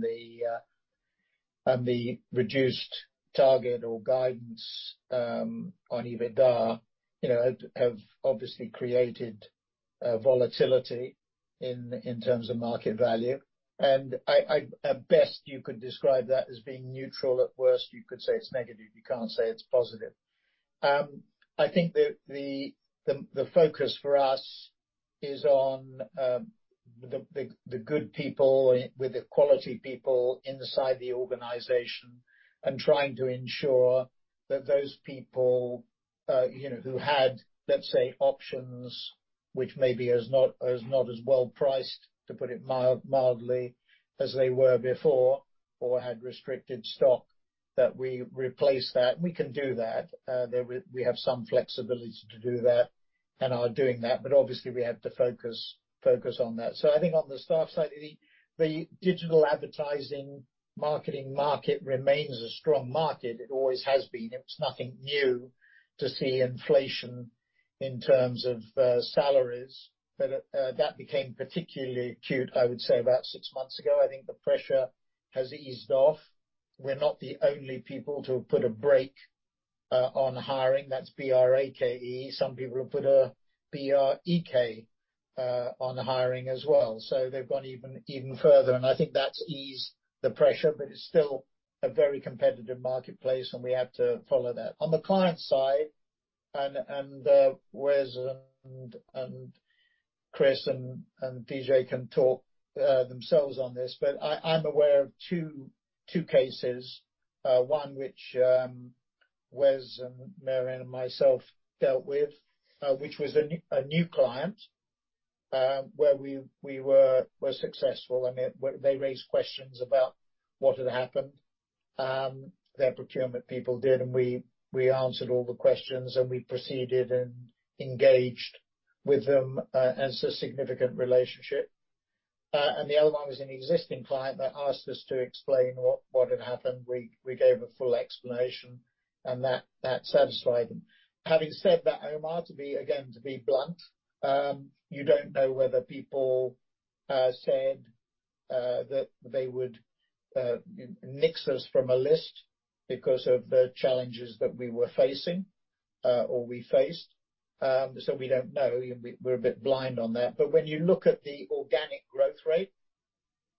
the reduced target or guidance on EBITDA, you know, have obviously created volatility in terms of market value. At best you could describe that as being neutral, at worst, you could say it's negative. You can't say it's positive. I think the focus for us is on the good people, the quality people inside the organization, and trying to ensure that those people, you know, who had, let's say, options which may be not as well priced, to put it mildly, as they were before, or had restricted stock, that we replace that. We can do that. We have some flexibility to do that and are doing that, but obviously we have to focus on that. I think on the staff side, the digital advertising marketing market remains a strong market. It always has been. It's nothing new to see inflation in terms of salaries. That became particularly acute, I would say, about six months ago. I think the pressure has eased off. We're not the only people to have put a brake on hiring. That's B-R-A-K-E. Some people have put a B-R-E-K on hiring as well. They've gone even further, and I think that's eased the pressure. It's still a very competitive marketplace, and we have to follow that. On the client side, Wes and Chris and DJ can talk for themselves on this, but I'm aware of two cases. One which Wes and Mary and myself dealt with, which was a new client, where we were successful and they raised questions about what had happened, their procurement people did, and we answered all the questions and we proceeded and engaged with them, and it's a significant relationship. The other one was an existing client that asked us to explain what had happened. We gave a full explanation. That satisfied them. Having said that, Omar, to be blunt, you don't know whether people said that they would nix us from a list because of the challenges that we were facing, or we faced. So we don't know. We're a bit blind on that. When you look at the organic growth rate,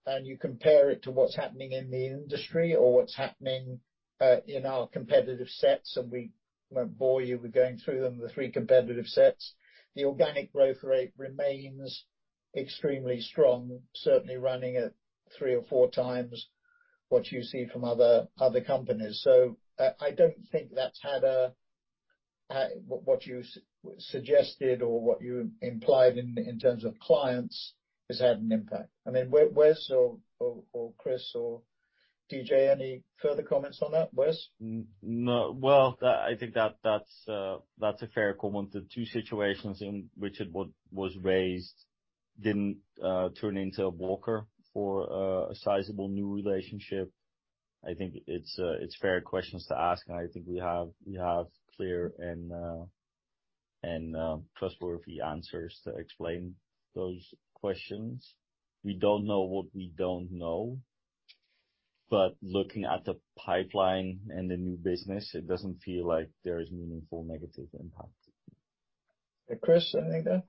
and you compare it to what's happening in the industry or what's happening in our competitive sets, and we won't bore you with going through them, the three competitive sets, the organic growth rate remains extremely strong, certainly running at three or four times what you see from other companies. I don't think that's had what you suggested or what you implied in terms of clients has had an impact. I mean, Wes or Chris or DJ, any further comments on that? Wes? No. Well, I think that's a fair comment. The two situations in which it was raised didn't turn into a whopper for a sizable new relationship. I think it's fair questions to ask, and I think we have clear and trustworthy answers to explain those questions. We don't know what we don't know. Looking at the pipeline and the new business, it doesn't feel like there is meaningful negative impact. Chris, anything?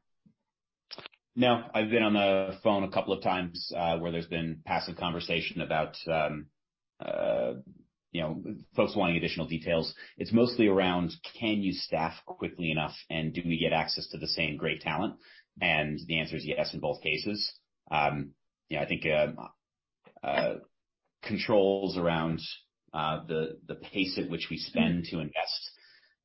No. I've been on the phone a couple of times where there's been passive conversation about you know, folks wanting additional details. It's mostly around can you staff quickly enough, and do we get access to the same great talent? The answer is yes in both cases. You know, I think controls around the pace at which we spend to invest,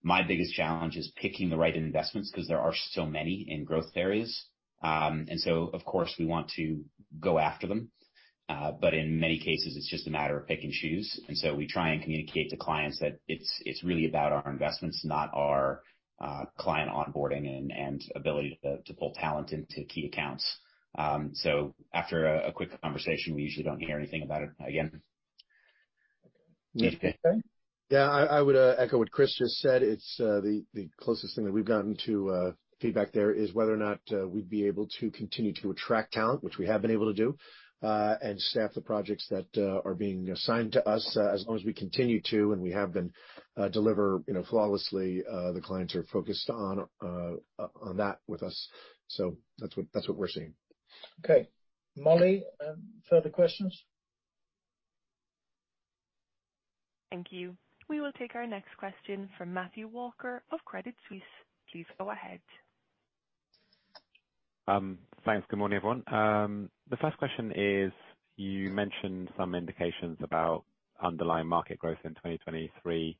my biggest challenge is picking the right investments 'cause there are so many in growth areas. Of course, we want to go after them. In many cases, it's just a matter of pick and choose. We try and communicate to clients that it's really about our investments, not our client onboarding and ability to pull talent into key accounts. After a quick conversation, we usually don't hear anything about it again. DJ? Yeah. I would echo what Chris just said. It's the closest thing that we've gotten to feedback there is whether or not we'd be able to continue to attract talent, which we have been able to do, and staff the projects that are being assigned to us as long as we continue to and we have been deliver, you know, flawlessly. The clients are focused on that with us. That's what we're seeing. Okay. Molly, further questions? Thank you. We will take our next question from Matthew Walker of Credit Suisse. Please go ahead. Thanks. Good morning, everyone. The first question is, you mentioned some indications about underlying market growth in 2023.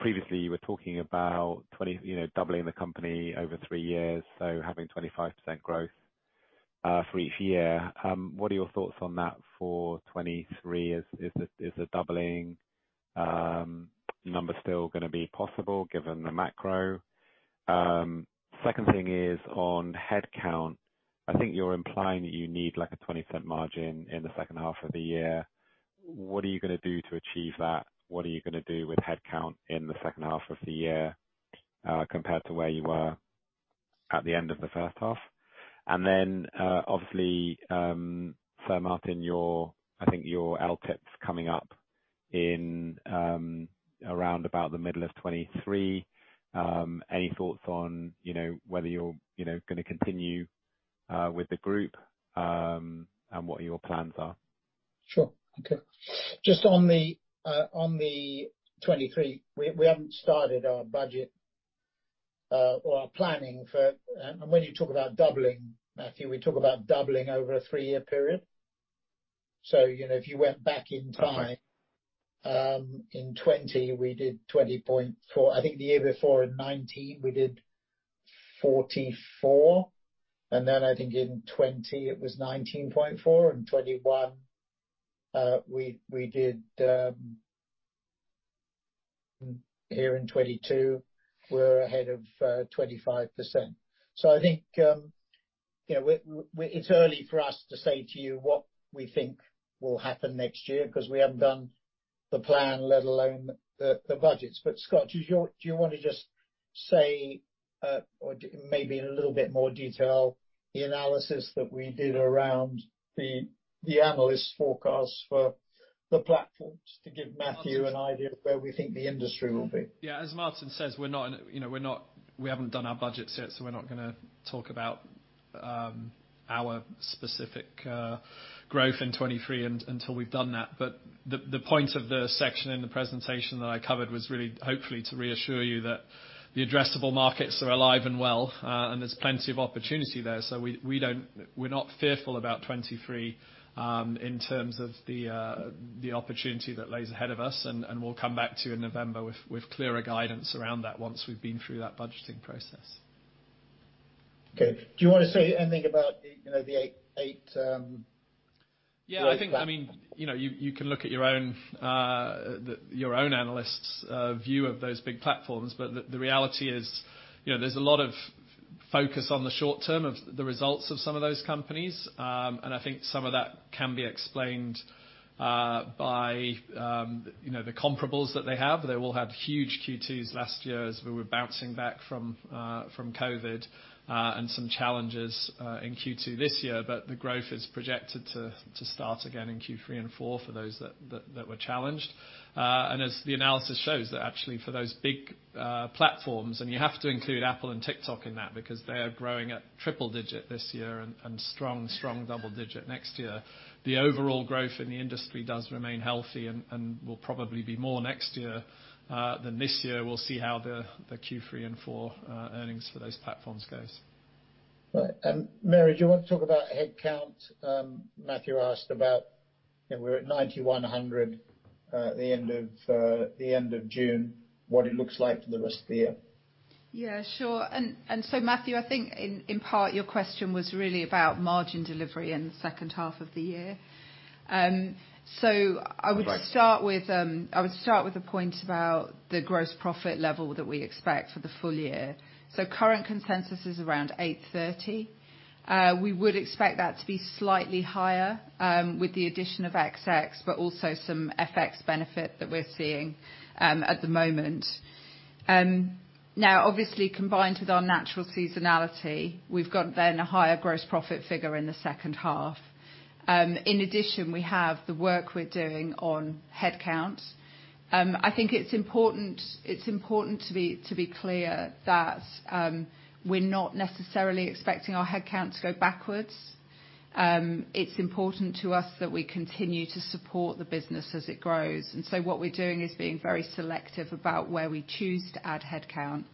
Previously you were talking about you know, doubling the company over three years, so having 25% growth for each year. What are your thoughts on that for 2023? Is the doubling number still gonna be possible given the macro? Second thing is on head count. I think you're implying that you need like a 20% margin in the second half of the year. What are you gonna do to achieve that? What are you gonna do with head count in the second half of the year compared to where you were at the end of the first half? Obviously, Sir Martin, your, I think your LTIP's coming up in around about the middle of 2023. Any thoughts on, you know, whether you're, you know, gonna continue with the group, and what your plans are? Sure. Okay. Just on the 2023, we haven't started our budget or our planning for. When you talk about doubling, Matthew, we talk about doubling over a three-year period. You know, if you went back in time. Okay. In 2020, we did 20.4%. I think the year before in 2019, we did 44%. Then I think in 2020, it was 19.4%, and 2021, we did. Here in 2022, we're ahead of 25%. I think, you know, it's early for us to say to you what we think will happen next year, 'cause we haven't done the plan, let alone the budgets. But Scott, do you wanna just say maybe in a little bit more detail, the analysis that we did around the analyst forecast for the platforms to give Matthew an idea of where we think the industry will be? Yeah. As Martin says, we're not, you know, we haven't done our budget yet, so we're not gonna talk about our specific growth in 2023 until we've done that. The point of the section in the presentation that I covered was really hopefully to reassure you that the addressable markets are alive and well, and there's plenty of opportunity there. We're not fearful about 2023, in terms of the opportunity that lies ahead of us, and we'll come back to you in November with clearer guidance around that once we've been through that budgeting process. Okay. Do you wanna say anything about the, you know, the eight? Yeah, I think, I mean, you know, you can look at your own analyst's view of those big platforms. But the reality is, you know, there's a lot of focus on the short term of the results of some of those companies. I think some of that can be explained by you know, the comparables that they have. They all had huge Q2s last year as we were bouncing back from COVID and some challenges in Q2 this year. The growth is projected to start again in Q3 and Q4 for those that were challenged. As the analysis shows that actually for those big platforms, and you have to include Apple and TikTok in that because they are growing at triple-digit this year and strong double-digit next year. The overall growth in the industry does remain healthy and will probably be more next year than this year. We'll see how the Q3 and Q4 earnings for those platforms goes. Right. Mary, do you want to talk about headcount? Matthew asked about, you know, we're at 9,100 at the end of June, what it looks like for the rest of the year. Yeah, sure. Matthew, I think in part your question was really about margin delivery in the second half of the year. I would start with a point about the gross profit level that we expect for the full year. Current consensus is around 830 million. We would expect that to be slightly higher, with the addition of XX Artists, but also some FX benefit that we're seeing at the moment. Now, obviously, combined with our natural seasonality, we've got then a higher gross profit figure in the second half. In addition, we have the work we're doing on headcount. I think it's important to be clear that we're not necessarily expecting our headcount to go backwards. It's important to us that we continue to support the business as it grows. What we're doing is being very selective about where we choose to add headcount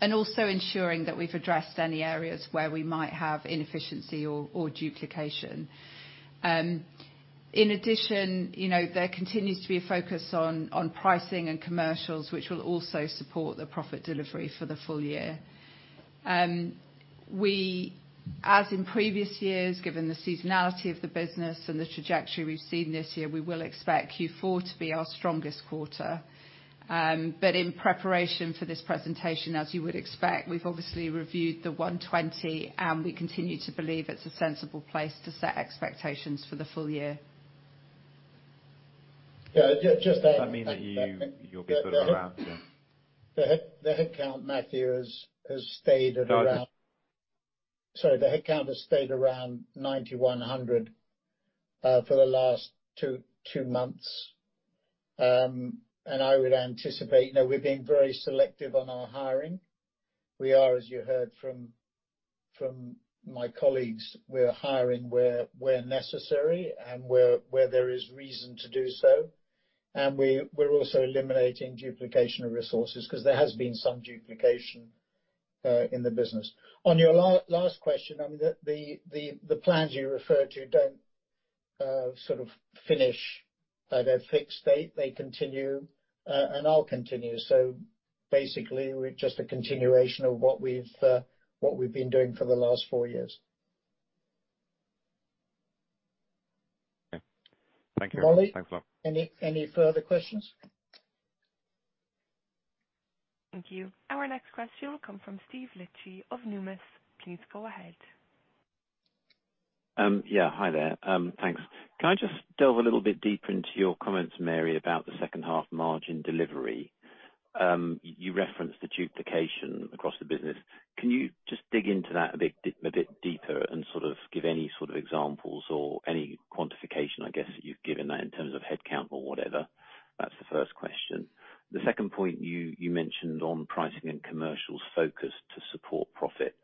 and also ensuring that we've addressed any areas where we might have inefficiency or duplication. In addition, you know, there continues to be a focus on pricing and commercials, which will also support the profit delivery for the full year. As in previous years, given the seasonality of the business and the trajectory we've seen this year, we will expect Q4 to be our strongest quarter. In preparation for this presentation, as you would expect, we've obviously reviewed the 120 million, and we continue to believe it's a sensible place to set expectations for the full year. Yeah, just. Does that mean that you'll be sort of around? The headcount, Matthew, has stayed at around- No, I just. Sorry, the headcount has stayed around 9,100 for the last two months. I would anticipate, you know, we're being very selective on our hiring. We are, as you heard from my colleagues, we're hiring where necessary and where there is reason to do so. We're also eliminating duplication of resources because there has been some duplication in the business. On your last question, I mean, the plans you referred to don't sort of finish at a fixed date. They continue, and I'll continue. Basically, we're just a continuation of what we've been doing for the last four years. Okay. Thank you. Molly. Thanks a lot. Any further questions? Thank you. Our next question will come from Steve Liechti of Numis. Please go ahead. Yeah, hi there. Thanks. Can I just delve a little bit deeper into your comments, Mary, about the second half margin delivery? You referenced the duplication across the business. Can you just dig into that a bit deeper and sort of give any sort of examples or any quantification, I guess, that you've given that in terms of headcount or whatever? That's the first question. The second point you mentioned on pricing and commercials focus to support profit.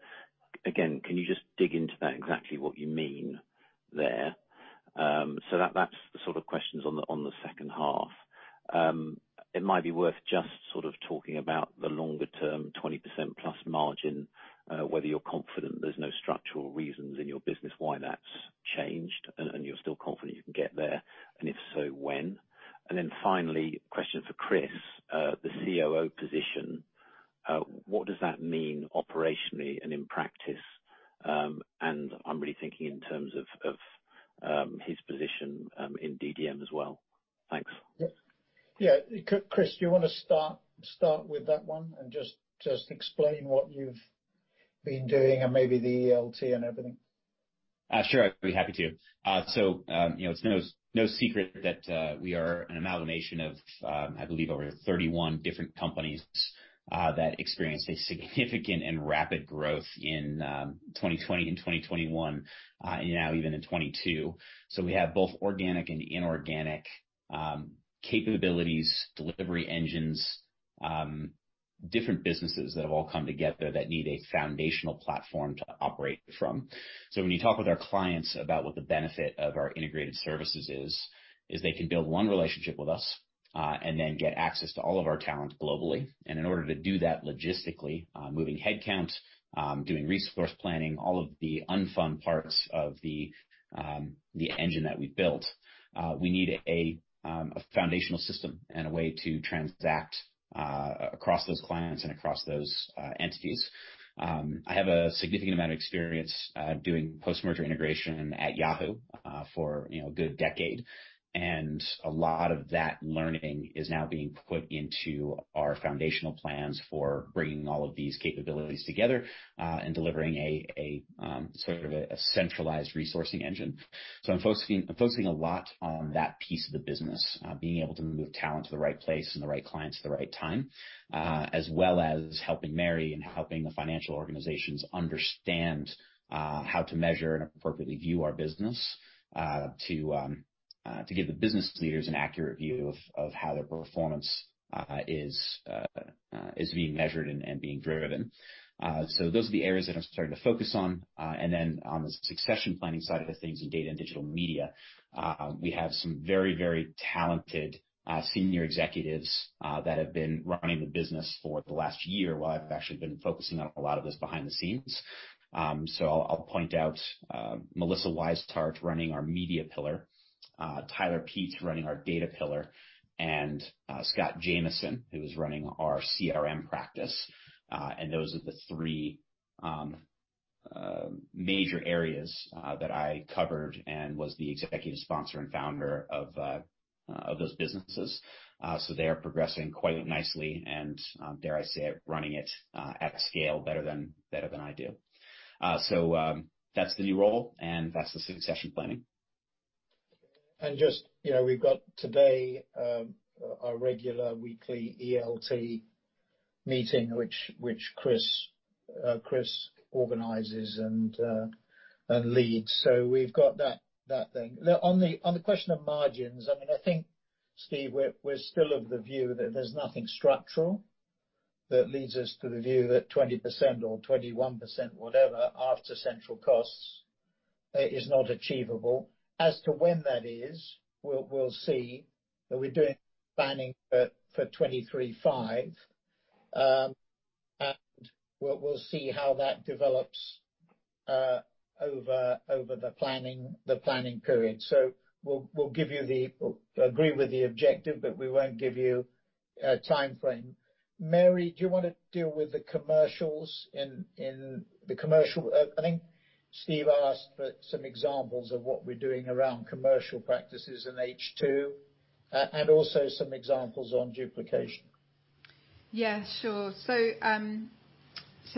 Again, can you just dig into that, exactly what you mean there? That's the sort of questions on the second half. It might be worth just sort of talking about the longer-term 20%+ margin, whether you're confident there's no structural reasons in your business why that's changed and you're still confident you can get there, and if so, when? Then finally, question for Chris, the COO position. What does that mean operationally and in practice? I'm really thinking in terms of his position in DDM as well. Thanks. Yeah. Chris, do you wanna start with that one and just explain what you've been doing and maybe the ELT and everything? Sure. I'd be happy to. You know, it's no secret that we are an amalgamation of, I believe over 31 different companies, that experienced a significant and rapid growth in 2020 and 2021, and now even in 2022. We have both organic and inorganic capabilities, delivery engines, different businesses that have all come together that need a foundational platform to operate from. When you talk with our clients about what the benefit of our integrated services is, they can build one relationship with us, and then get access to all of our talent globally. In order to do that logistically, moving headcount, doing resource planning, all of the unfun parts of the engine that we built, we need a foundational system and a way to transact across those clients and across those entities. I have a significant amount of experience doing post-merger integration at Yahoo, for, you know, a good decade. A lot of that learning is now being put into our foundational plans for bringing all of these capabilities together and delivering a sort of a centralized resourcing engine. I'm focusing a lot on that piece of the business, being able to move talent to the right place and the right clients at the right time, as well as helping Mary and helping the financial organizations understand how to measure and appropriately view our business, to give the business leaders an accurate view of how their performance is being measured and being driven. Those are the areas that I'm starting to focus on. Then on the succession planning side of the things in Data & Digital Media, we have some very talented senior executives that have been running the business for the last year, while I've actually been focusing on a lot of this behind the scenes. I'll point out Melissa Wisehart running our media pillar, Tyler Pietz running our data pillar, and Scott Jamieson, who is running our CRM practice. Those are the three major areas that I covered and was the executive sponsor and founder of those businesses. They are progressing quite nicely and dare I say, running it at scale better than I do. That's the new role, and that's the succession planning. Just, you know, we've got today our regular weekly ELT meeting, which Chris organizes and leads. We've got that then. On the question of margins, I mean, I think, Steve, we're still of the view that there's nothing structural that leads us to the view that 20% or 21%, whatever, after central costs, is not achievable. As to when that is, we'll see. We're doing planning for 2025, and we'll see how that develops over the planning period. We'll agree with the objective, but we won't give you a timeframe. Mary, do you wanna deal with the commercials. I think Steve asked for some examples of what we're doing around commercial practices in H2, and also some examples on duplication. Yeah, sure.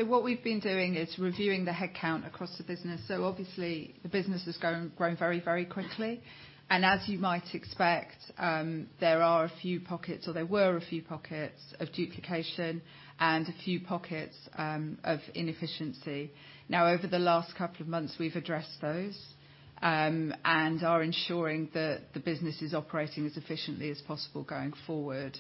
What we've been doing is reviewing the headcount across the business. Obviously the business has grown very, very quickly. As you might expect, there are a few pockets or there were a few pockets of duplication and a few pockets of inefficiency. Now, over the last couple of months, we've addressed those and are ensuring that the business is operating as efficiently as possible going forward.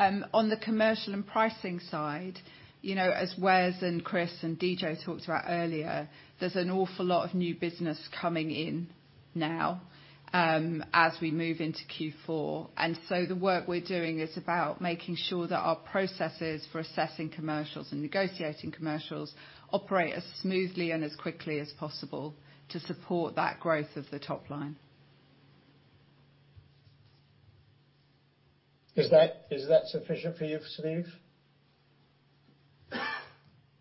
On the commercial and pricing side, you know, as Wes and Chris and DJ talked about earlier, there's an awful lot of new business coming in now as we move into Q4. The work we're doing is about making sure that our processes for assessing commercials and negotiating commercials operate as smoothly and as quickly as possible to support that growth of the top line. Is that sufficient for you, Steve?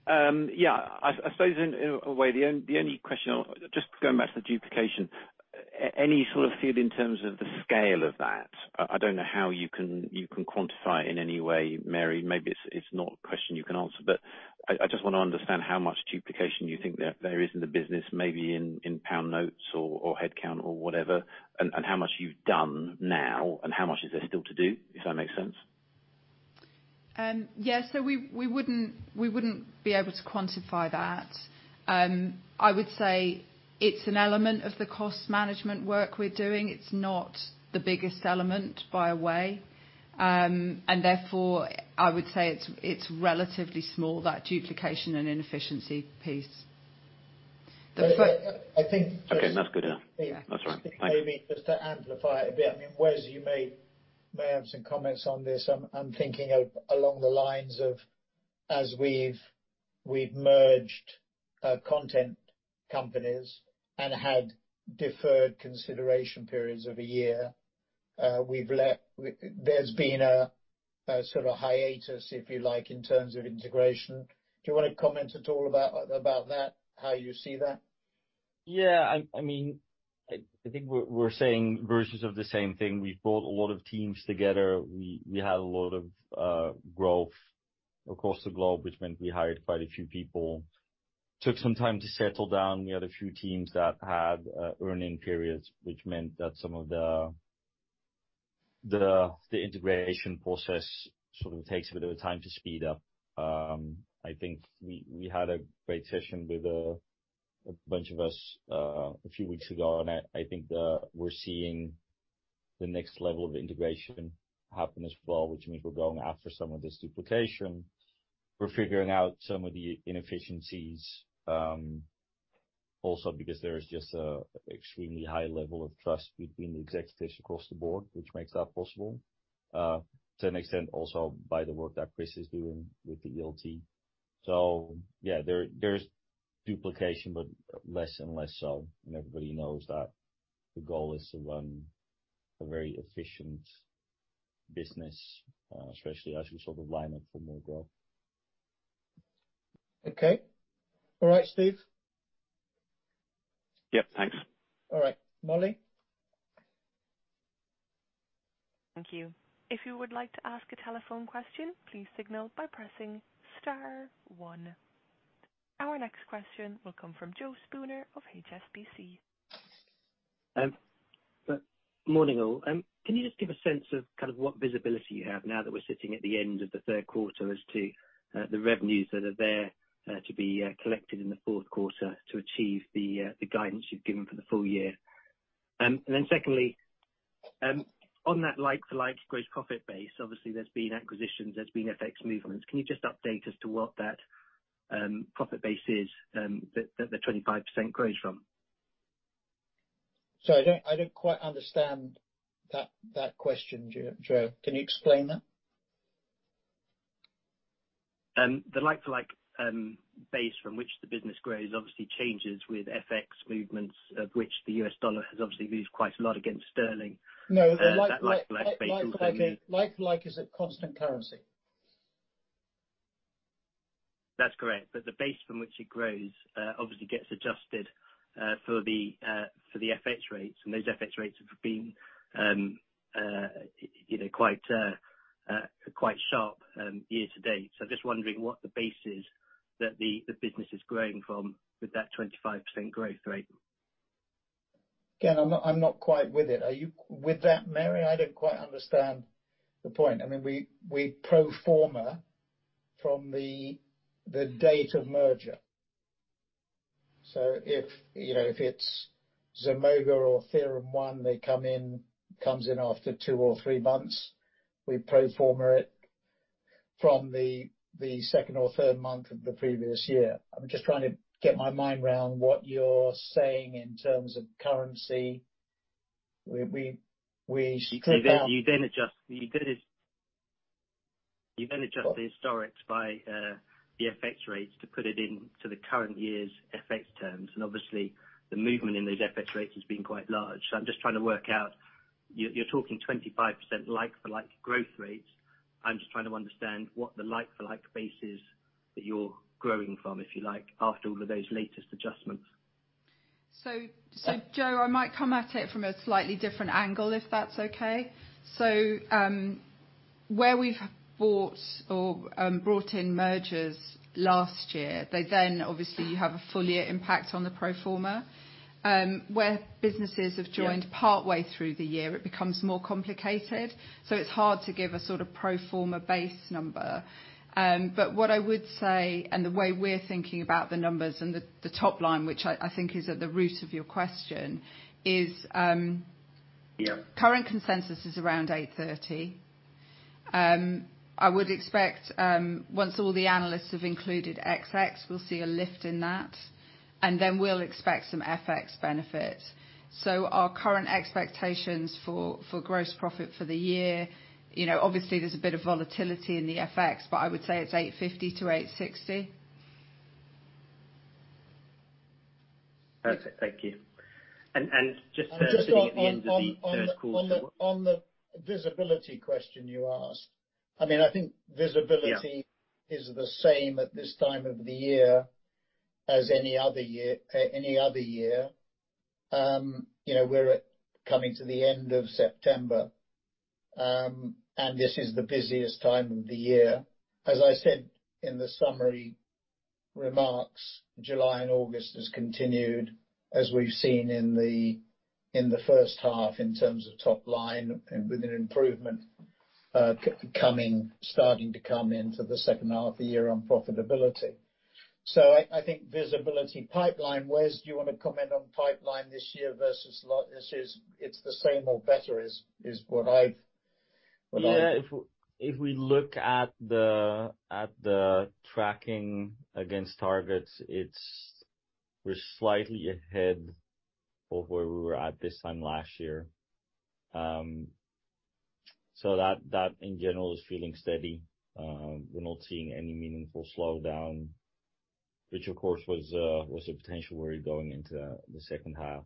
Yeah. I suppose in a way, the only question. Just going back to the duplication, any sort of feel in terms of the scale of that? I don't know how you can quantify it in any way, Mary. Maybe it's not a question you can answer, but I just wanna understand how much duplication you think there is in the business, maybe in pound notes or head count or whatever, and how much you've done now and how much is there still to do, if that makes sense. We wouldn't be able to quantify that. I would say it's an element of the cost management work we're doing. It's not the biggest element by a long way. Therefore, I would say it's relatively small, that duplication and inefficiency piece. I think— Okay, that's good. Yeah. That's all right. Bye. Maybe just to amplify it a bit. I mean, Wes, you may have some comments on this. I'm thinking of along the lines of, as we've merged content companies and had deferred consideration periods of a year, there's been a sort of hiatus, if you like, in terms of integration. Do you wanna comment at all about that? How you see that? Yeah. I mean, I think we're saying versions of the same thing. We've brought a lot of teams together. We had a lot of growth across the globe, which meant we hired quite a few people. Took some time to settle down. We had a few teams that had earning periods, which meant that some of the integration process sort of takes a bit of time to speed up. I think we had a great session with a bunch of us a few weeks ago, and I think we're seeing the next level of integration happen as well, which means we're going after some of this duplication. We're figuring out some of the inefficiencies, also because there is just a extremely high level of trust between the executives across the board, which makes that possible. To an extent also by the work that Chris is doing with the ELT. Yeah, there's duplication, but less and less so, and everybody knows that the goal is to run a very efficient business, especially as we sort of line up for more growth. Okay. All right, Steve. Yep. Thanks. All right. Molly? Thank you. If you would like to ask a telephone question, please signal by pressing star one. Our next question will come from Joe Spooner of HSBC. Morning all. Can you just give a sense of kind of what visibility you have now that we're sitting at the end of the third quarter as to the revenues that are there to be collected in the fourth quarter to achieve the guidance you've given for the full year? Then secondly, on that like-for-like gross profit base, obviously there's been acquisitions, there's been FX movements. Can you just update as to what that profit base is that the 25% grows from? Sorry, I don't quite understand that question, Joe. Can you explain that? The like-for-like base from which the business grows obviously changes with FX movements, of which the US dollar has obviously moved quite a lot against sterling. No, the like- That like-for-like basis. Like-for-like is at constant currency. That's correct. The base from which it grows obviously gets adjusted for the FX rates, and those FX rates have been, you know, quite sharp year to date. Just wondering what the base is that the business is growing from with that 25% growth rate. Again, I'm not quite with it. Are you with that, Mary? I don't quite understand the point. I mean, we pro forma from the date of merger. If, you know, if it's Zemoga or TheoremOne, they come in after two or three months, we pro forma it from the second or third month of the previous year. I'm just trying to get my mind around what you're saying in terms of currency. We You then adjust the historics by the FX rates to put it into the current year's FX terms. Obviously the movement in those FX rates has been quite large. I'm just trying to work out, you're talking 25% like-for-like growth rates. I'm just trying to understand what the like-for-like base is that you're growing from, if you like, after all of those latest adjustments. Joe, I might come at it from a slightly different angle, if that's okay. Where we've bought or brought in mergers last year, they then, obviously you have a full year impact on the pro forma. Where businesses have joined partway through the year, it becomes more complicated. It's hard to give a sort of pro forma base number. What I would say, and the way we're thinking about the numbers and the top line, which I think is at the root of your question is current consensus is around 830 million. I would expect, once all the analysts have included XX Artists, we'll see a lift in that. We'll expect some FX benefit. Our current expectations for gross profit for the year, you know, obviously there's a bit of volatility in the FX, but I would say it's 850 million-860 million. Perfect. Thank you. On the visibility question you asked. I mean, I think visibility is the same at this time of the year as any other year. You know, we're coming to the end of September, and this is the busiest time of the year. As I said in the summary remarks, July and August has continued as we've seen in the first half in terms of top line, with an improvement starting to come into the second half of the year on profitability. I think visibility, pipeline. Wes, do you wanna comment on pipeline this year versus last year's? It's the same or better, is what I've— Yeah. If we look at the tracking against targets, we're slightly ahead of where we were at this time last year. That in general is feeling steady. We're not seeing any meaningful slowdown, which of course was a potential worry going into the second half.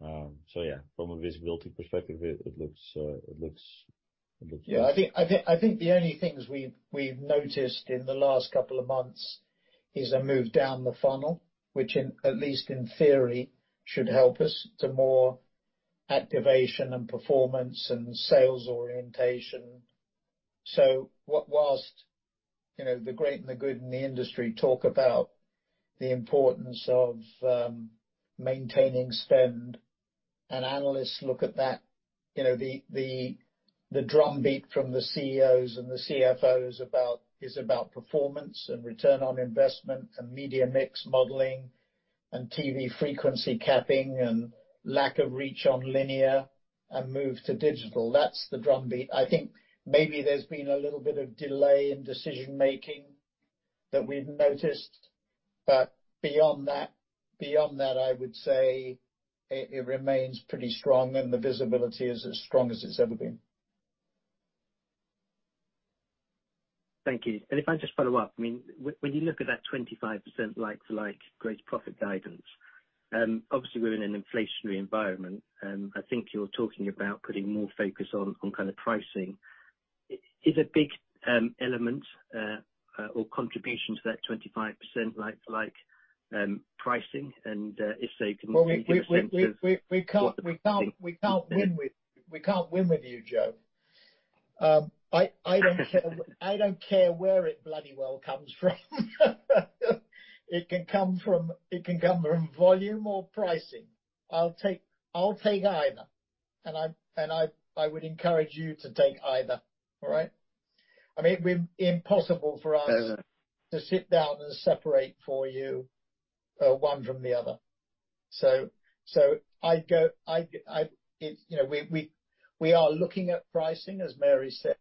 Yeah, from a visibility perspective, it looks— Yeah. I think the only things we've noticed in the last couple of months is a move down the funnel, which, at least in theory, should help us to more activation and performance and sales orientation. Whilst, you know, the great and the good in the industry talk about the importance of maintaining spend, and analysts look at that, you know, the drumbeat from the CEOs and the CFOs is about performance and return on investment and media mix modeling and TV frequency capping and lack of reach on linear and move to digital. That's the drumbeat. I think maybe there's been a little bit of delay in decision-making that we've noticed. Beyond that, I would say it remains pretty strong and the visibility is as strong as it's ever been. Thank you. If I just follow up, I mean, when you look at that 25% like-for-like gross profit guidance, obviously we're in an inflationary environment. I think you're talking about putting more focus on kind of pricing. Is a big element or contribution to that 25% like-for-like pricing? If so, can you- Well, we can't win with you, Joe. I don't care where it bloody well comes from. It can come from volume or pricing. I'll take either. I would encourage you to take either. All right? I mean, it'd be impossible for us. Fair enough. To sit down and separate for you one from the other. I'd go, you know, we are looking at pricing, as Mary said.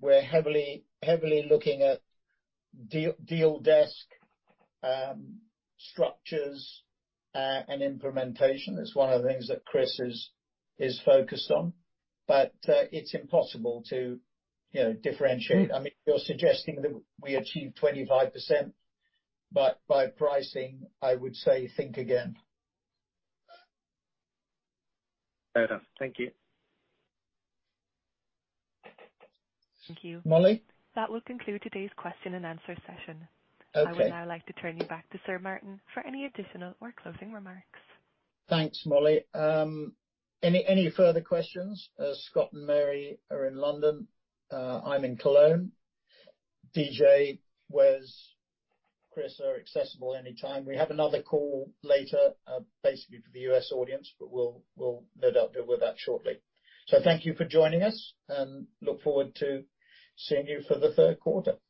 We're heavily looking at deal desk structures and implementation. That's one of the things that Chris is focused on. It's impossible to, you know, differentiate. I mean, you're suggesting that we achieve 25%, but by pricing, I would say think again. Fair enough. Thank you. Thank you. Molly? That will conclude today's question-and-answer session. Okay. I would now like to turn you back to Sir Martin for any additional or closing remarks. Thanks, Molly. Any further questions? Scott and Mary are in London. I'm in Cologne. DJ, Wes, Chris are accessible anytime. We have another call later, basically for the U.S. audience, but we'll no doubt deal with that shortly. Thank you for joining us and look forward to seeing you for the third quarter.